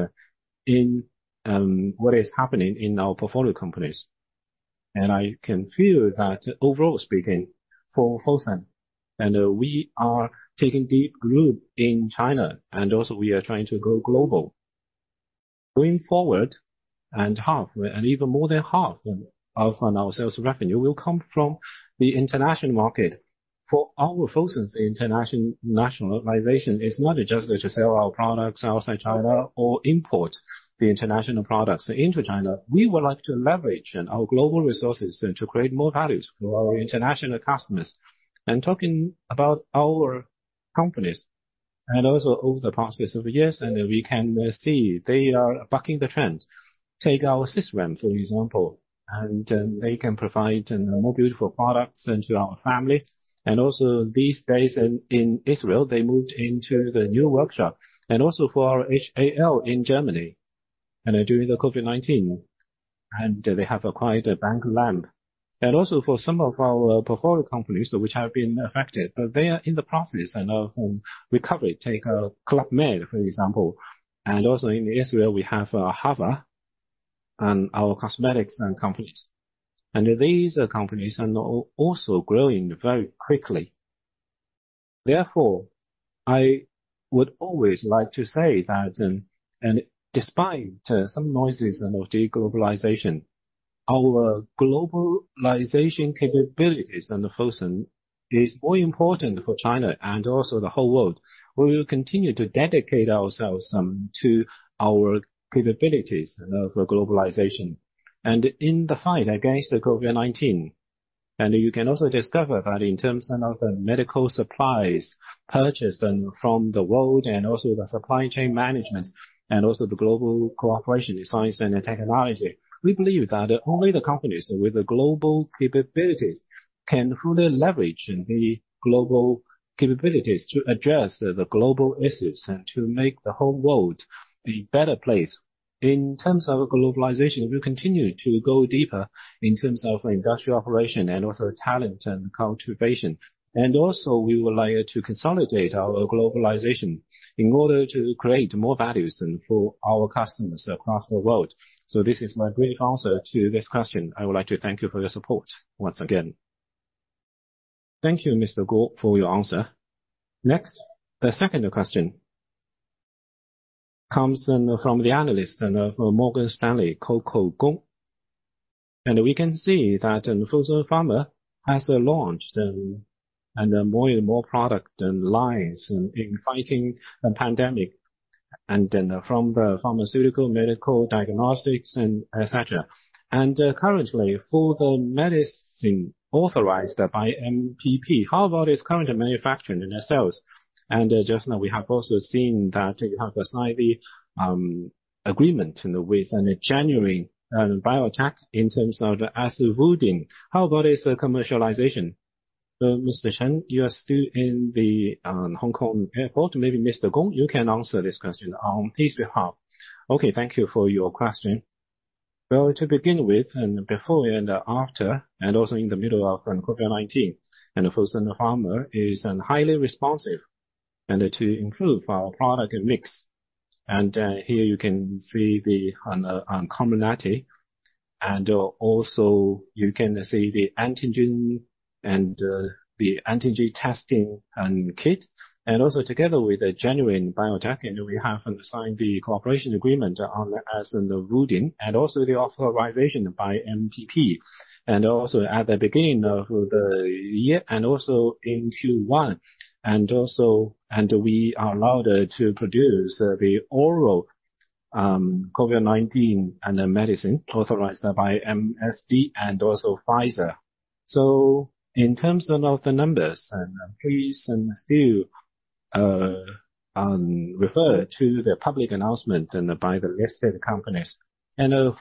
in what is happening in our portfolio companies. I can feel that overall speaking for Fosun, and we are taking deep root in China, and also we are trying to go global. Going forward and even more than half of our sales revenue will come from the international market. For our Fosun's internationalization is not just to sell our products outside China or import the international products into China. We would like to leverage our global resources to create more values for our international customers. Talking about our companies and also over the process of years, and we can see they are bucking the trend. Take our Sisram, for example, and they can provide more beautiful products into our families. Also these days in Israel, they moved into the new workshop. Also for our HAL in Germany and during the COVID-19, and they have acquired Bankhaus Lampe. Also for some of our portfolio companies which have been affected, but they are in the process of recovery. Take Club Med, for example. Also in Israel, we have AHAVA and our cosmetics companies. These companies are also growing very quickly. Therefore, I would always like to say that, despite some noises of de-globalization, our globalization capabilities in Fosun is more important for China and also the whole world. We will continue to dedicate ourselves to our capabilities of globalization. In the fight against the COVID-19. You can also discover that in terms of the medical supplies purchased and from the world, and also the supply chain management, and also the global cooperation in science and technology. We believe that only the companies with the global capabilities can fully leverage the global capabilities to address the global issues and to make the whole world a better place. In terms of globalization, we continue to go deeper in terms of industrial operation and also talent and cultivation. Also we would like to consolidate our globalization in order to create more values and for our customers across the world. This is my brief answer to this question. I would like to thank you for your support once again. Thank you, Mr. Guo, for your answer. Next, the second question comes in from the analyst of Morgan Stanley, Coco Gong. We can see that Fosun Pharma has launched and more and more product lines in fighting the pandemic and then from the pharmaceutical medical diagnostics and et cetera. Currently, for the medicine authorized by MPP, how about its current manufacturing and sales? Just now we have also seen that you have signed the agreement with Genuine Biotech in January in terms of Azvudine. How about its commercialization? Mr. Chen, you are still in the Hong Kong airport. Maybe Mr. Gong, you can answer this question on his behalf. Okay, thank you for your question. Well, to begin with, before and after, and also in the middle of COVID-19, Fosun Pharma is highly responsive to improve our product mix. Here you can see Comirnaty, and also you can see the antigen testing kit. Also together with Genuine Biotech, we have signed the cooperation agreement on Azvudine, and also the authorization by MPP. At the beginning of the year, and also in Q1. We are allowed to produce the oral COVID-19 and the medicine authorized by MSD and also Pfizer. So in terms of the numbers, please still refer to the public announcement by the listed companies.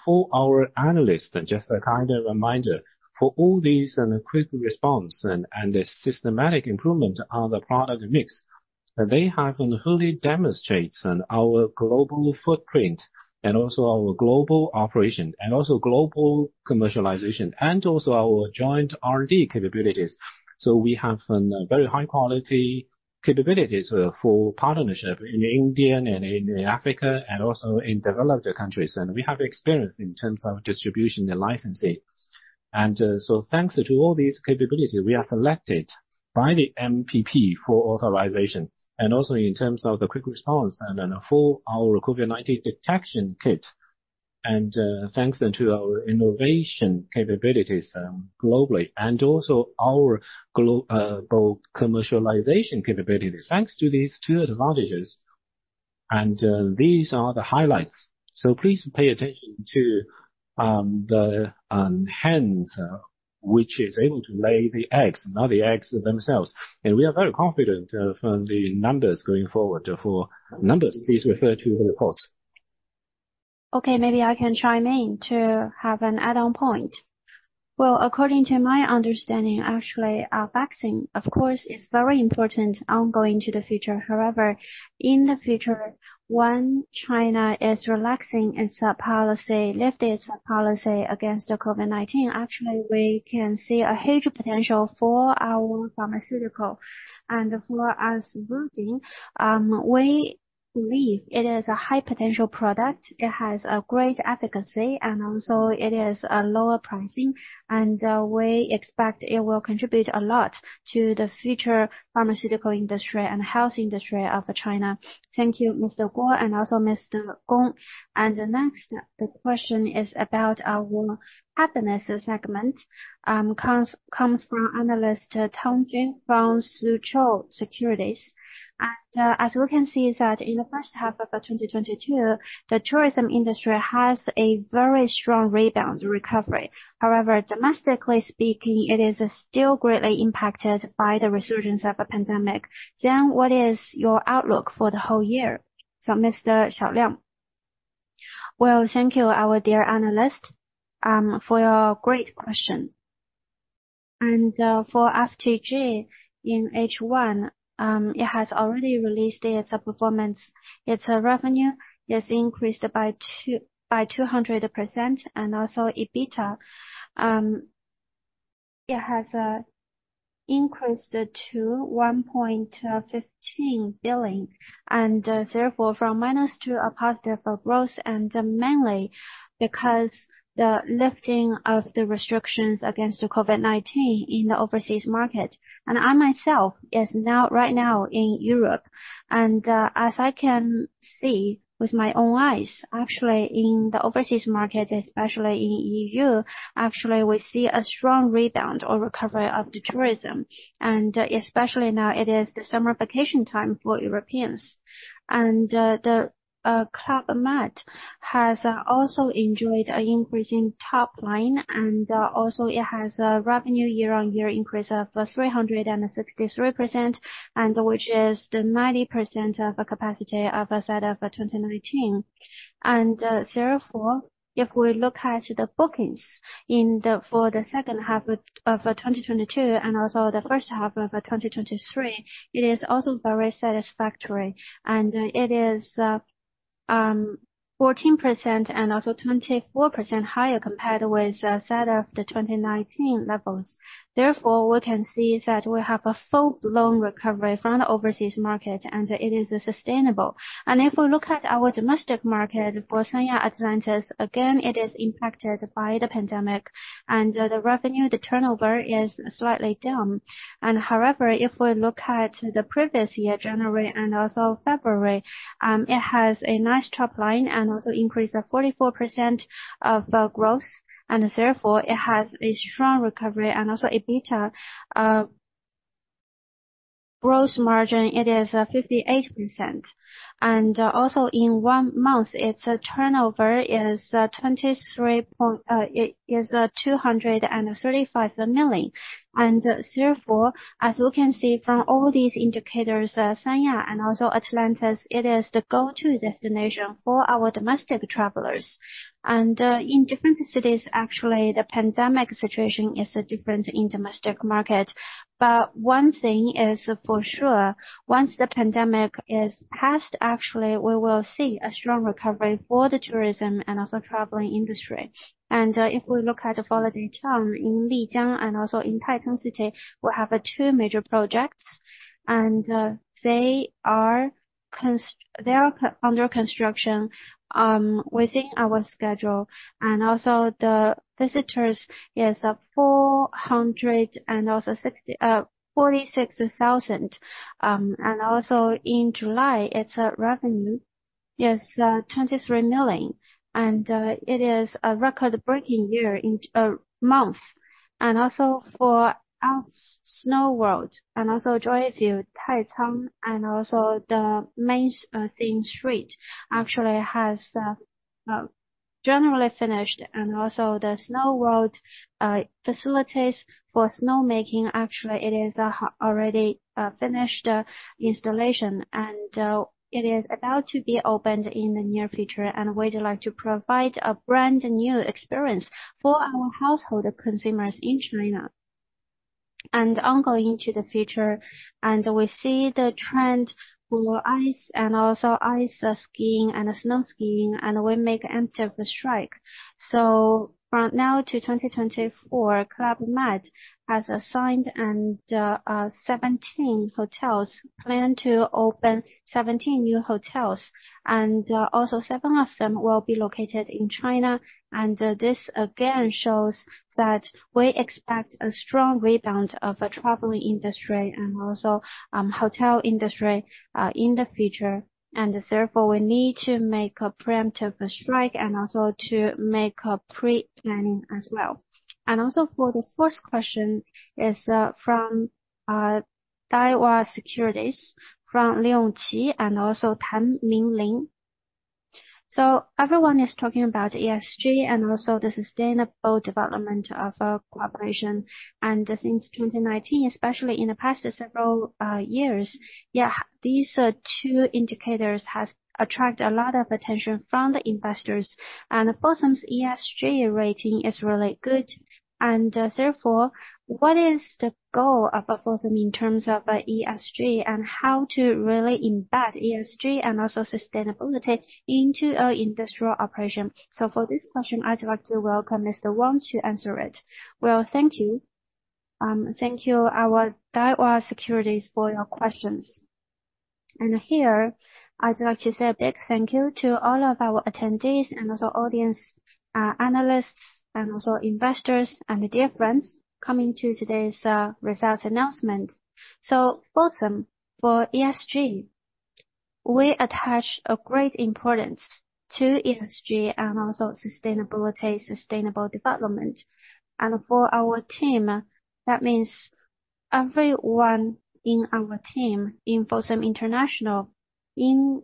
For our analysts, just a kind of reminder. For all these quick response and systematic improvement on the product mix, they have fully demonstrates our global footprint and also our global operation, and also global commercialization, and also our joint R&D capabilities. We have a very high quality capabilities for partnership in India and in Africa, and also in developed countries. We have experience in terms of distribution and licensing. Thanks to all these capabilities, we are selected by the MPP for authorization. Also in terms of the quick response and for our COVID-19 detection kit. Thanks to our innovation capabilities, globally, and also our global commercialization capabilities. Thanks to these two advantages, and these are the highlights. Please pay attention to the Henlius, which is able to lay the eggs, not the eggs themselves. We are very confident from the numbers going forward. For numbers, please refer to the reports. Okay, maybe I can chime in to have an add-on point. Well, according to my understanding, actually, vaccine, of course, is very important ongoing to the future. However, in the future, when China is relaxing its policy, lifting its policy against the COVID-19, actually we can see a huge potential for our pharmaceutical and our tourism. We believe it is a high potential product. It has a great efficacy, and also it is a lower pricing. We expect it will contribute a lot to the future pharmaceutical industry and health industry of China. Thank you, Mr. Guo Guangchang and also Mr. Gong Ping. Next, the question is about our happiness segment, comes from analyst Tang Jerry from Soochow Securities. As we can see is that in the first half of 2022, the tourism industry has a very strong rebound recovery. However, domestically speaking, it is still greatly impacted by the resurgence of the pandemic. What is your outlook for the whole year? Mr. Xu Xiaoliang. Well, thank you, our dear analyst, for your great question. For FTG in H1, it has already released its performance. Its revenue is increased by 200%. Also EBITDA, it has increased to 1.15 billion, and therefore from minus to a positive growth. Mainly Because the lifting of the restrictions against the COVID-19 in the overseas market. I myself is now, right now in Europe. As I can see with my own eyes, actually, in the overseas market, especially in EU, actually we see a strong rebound or recovery of the tourism, and especially now it is the summer vacation time for Europeans. Club Med has also enjoyed an increase in top line, and also it has a revenue year-on-year increase of 363%, and which is the 90% of capacity of set of 2019. Therefore, if we look at the bookings for the second half of 2022 and also the first half of 2023, it is also very satisfactory. It is 14% and also 24% higher compared with as of the 2019 levels. Therefore, we can see that we have a full-blown recovery from the overseas market, and it is sustainable. If we look at our domestic market for Atlantis Sanya, again, it is impacted by the pandemic and the revenue, the turnover is slightly down. However, if we look at the previous year, January and also February, it has a nice top line and also increase of 44% of growth. Therefore, it has a strong recovery and also a better gross margin, it is 58%. Also in one month, its turnover is 235 million. Therefore, as we can see from all these indicators, Atlantis Sanya is the go-to destination for our domestic travelers. In different cities, actually, the pandemic situation is different in domestic market. One thing is for sure, once the pandemic is passed, actually, we will see a strong recovery for the tourism and also traveling industry. If we look at FOLIDAY Town Lijiang and also in Taicang City, we have two major projects, and they are under construction within our schedule. The visitors is 460 thousand. In July, its revenue is 23 million. It is a record-breaking month. Our Snow World and Joyville, Taicang, and the main theme street actually has generally finished. The Snow World facilities for snow making actually is already finished installation, and it is about to be opened in the near future. We'd like to provide a brand new experience for our household consumers in China. Ongoing into the future, we see the trend for ice skiing and snow skiing, and we make preemptive strike. From now to 2024, Club Med has signed 17 hotels, plan to open 17 new hotels. Also, seven of them will be located in China. This again shows that we expect a strong rebound of the traveling industry and hotel industry in the future. Therefore, we need to make a preemptive strike and also to make a pre-planning as well. For the first question is from Daiwa Securities, from Leon Qi and also Tan Minglin. Everyone is talking about ESG and also the sustainable development of corporation. Since 2019, especially in the past several years, these two indicators has attract a lot of attention from the investors. Fosun's ESG rating is really good. Therefore, what is the goal of Fosun in terms of ESG, and how to really embed ESG and also sustainability into our industrial operation? For this question, I'd like to welcome Mr. Wang to answer it. Thank you. Thank you, our Daiwa Securities for your questions. Here I'd like to say a big thank you to all of our attendees and also audience, analysts and also investors and dear friends coming to today's, results announcement. Fosun, for ESG, we attach a great importance to ESG and also sustainability, sustainable development. For our team, that means everyone in our team in Fosun International, in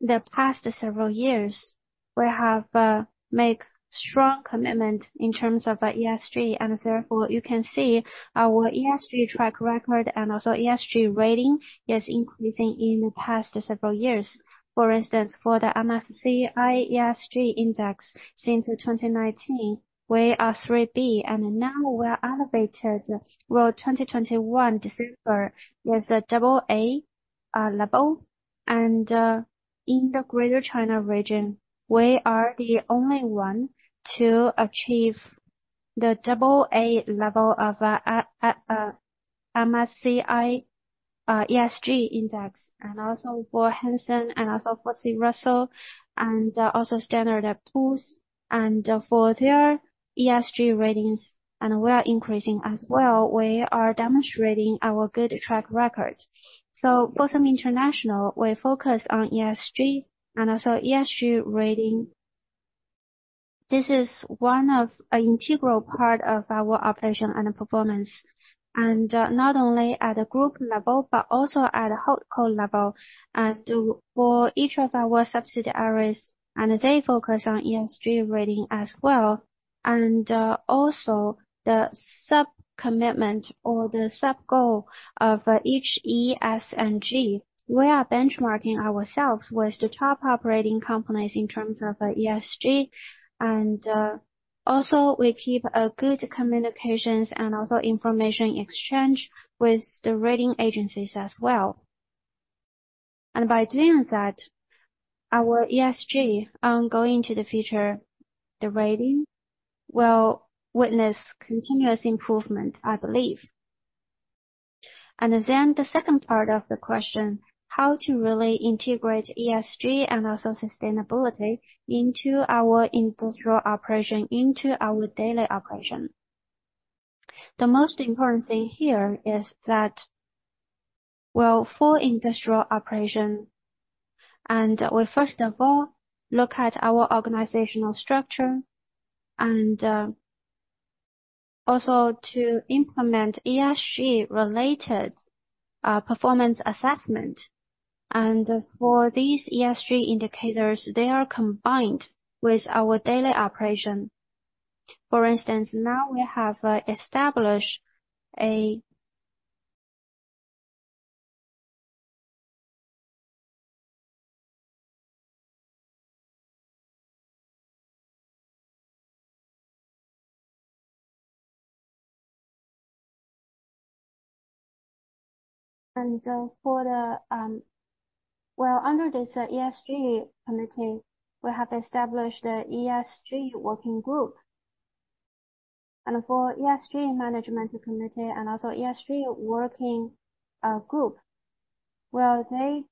the past several years, we have make strong commitment in terms of ESG. Therefore, you can see our ESG track record and also ESG rating is increasing in the past several years. For instance, for the MSCI ESG index since 2019, we are BBB, and now we are elevated. Well, December 2021 is a AA level. In the Greater China region, we are the only one to achieve the double A level of MSCI ESG index, and also for Hang Seng and also FTSE Russell, and also Standard & Poor's. For their ESG ratings, and we are increasing as well, we are demonstrating our good track record. Fosun International, we're focused on ESG and also ESG rating. This is an integral part of our operation and performance. Not only at the group level, but also at the hold co level. For each of our subsidiaries, and they focus on ESG rating as well, and also the sub-commitment or the sub-goal of each E, S, and G. We are benchmarking ourselves with the top operating companies in terms of ESG. Also we keep a good communications and also information exchange with the rating agencies as well. By doing that, our ESG going into the future, the rating will witness continuous improvement, I believe. Then the second part of the question, how to really integrate ESG and also sustainability into our industrial operation, into our daily operation. The most important thing here is that for industrial operation, we first of all look at our organizational structure, also to implement ESG related performance assessment. For these ESG indicators, they are combined with our daily operation. For instance, now we have established a under this ESG committee, we have established a ESG working group. For ESG management committee and also ESG working group, well, they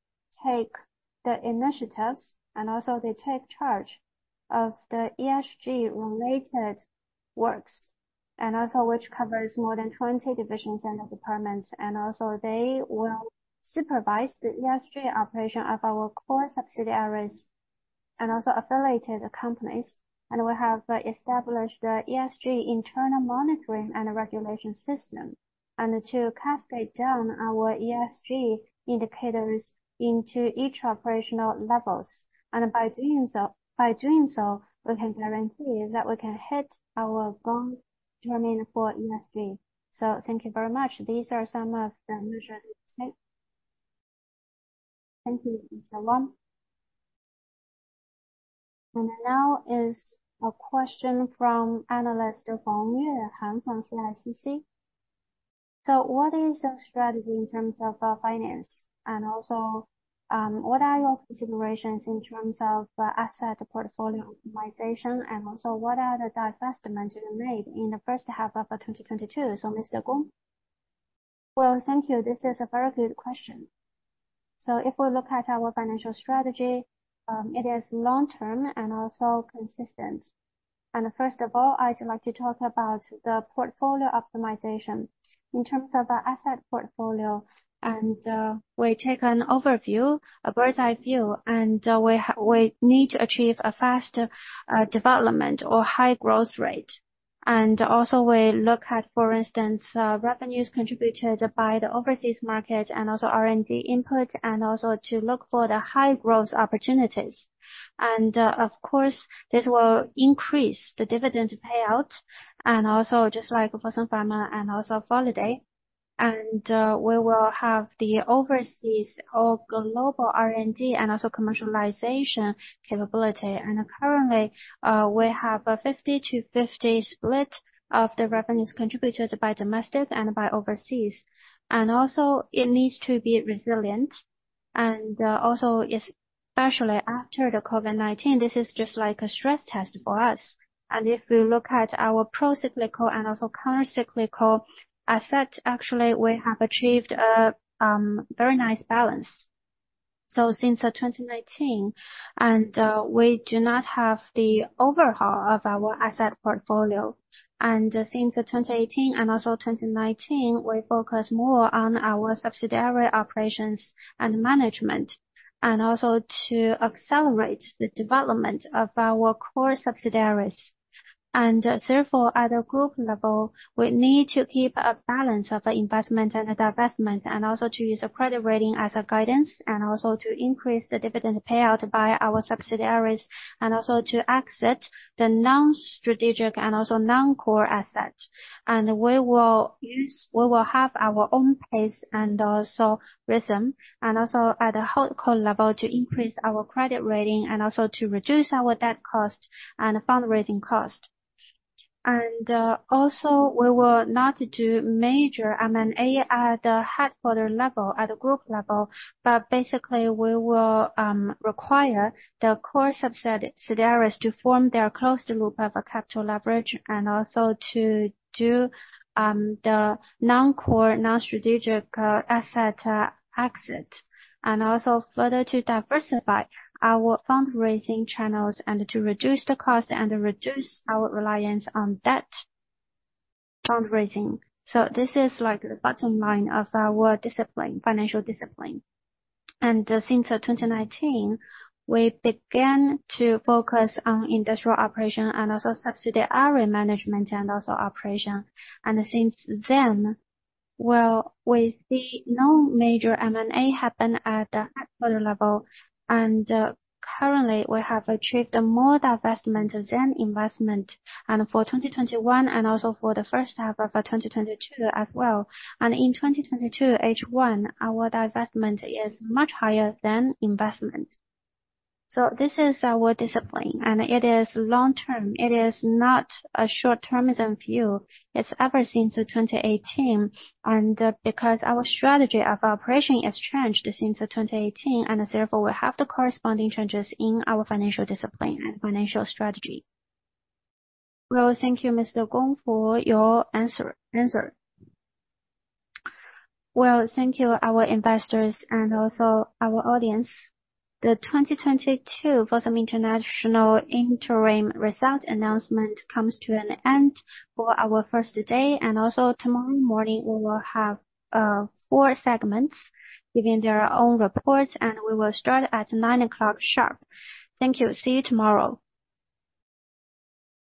take the initiatives and also they take charge of the ESG related works, and also which covers more than 20 divisions and departments. They will supervise the ESG operation of our core subsidiaries and affiliated companies. We have established the ESG internal monitoring and regulation system, and to cascade down our ESG indicators into each operational levels. By doing so, we can guarantee that we can hit our bond roadmap for ESG. Thank you very much. These are some of the measures we take. Thank you, Mr. Wang. Now is a question from analyst Hong Yuehan from CICC. What is your strategy in terms of finance? Also, what are your considerations in terms of asset portfolio optimization, and also what are the divestments you made in the first half of 2022? Mr. Gong. Well, thank you. This is a very good question. If we look at our financial strategy, it is long-term and also consistent. First of all, I'd like to talk about the portfolio optimization in terms of the asset portfolio. We take an overview, a bird's-eye view, and we need to achieve a faster development or high growth rate. We look at, for instance, revenues contributed by the overseas market and also R&D input, and also to look for the high growth opportunities. Of course, this will increase the dividend payout and also just like Fosun Pharma and also Holiday. We will have the overseas or global R&D and also commercialization capability. Currently, we have a 50-50 split of the revenues contributed by domestic and by overseas. It needs to be resilient. Especially after the COVID-19, this is just like a stress test for us. If you look at our procyclical and also countercyclical effect, actually we have achieved a very nice balance. Since 2019, we do not have the overhaul of our asset portfolio. Since 2018 and also 2019, we focus more on our subsidiary operations and management, and also to accelerate the development of our core subsidiaries. Therefore, at the group level, we need to keep a balance of investment and divestment, and also to use a credit rating as guidance, and also to increase the dividend payout by our subsidiaries, and also to exit the non-strategic and also non-core assets. We will have our own pace and also rhythm, and also at the HoldCo level, to increase our credit rating and also to reduce our debt cost and fundraising cost. We will not do major M&A at the headquarters level, at the group level. Basically we will require the core subsidiaries to form their closed loop of capital leverage and also to do the non-core, non-strategic asset exit, and also further to diversify our fundraising channels and to reduce the cost and reduce our reliance on debt fundraising. This is like the bottom line of our discipline, financial discipline. Since 2019, we began to focus on industrial operation and also subsidiary management and also operation. Since then, well, we see no major M&A happen at the headquarters level. Currently, we have achieved more divestment than investment, and for 2021 and also for the first half of 2022 as well. In 2022 H1, our divestment is much higher than investment. This is our discipline, and it is long-term. It is not a short-termism view. It's ever since 2018. Because our strategy of operation has changed since 2018, and therefore we have the corresponding changes in our financial discipline and financial strategy. Well, thank you, Mr. Gong, for your answer. Well, thank you our investors and also our audience. The 2022 Fosun International interim result announcement comes to an end for our first day. Also tomorrow morning we will have four segments giving their own reports, and we will start at 9:00 A.M. sharp. Thank you. See you tomorrow.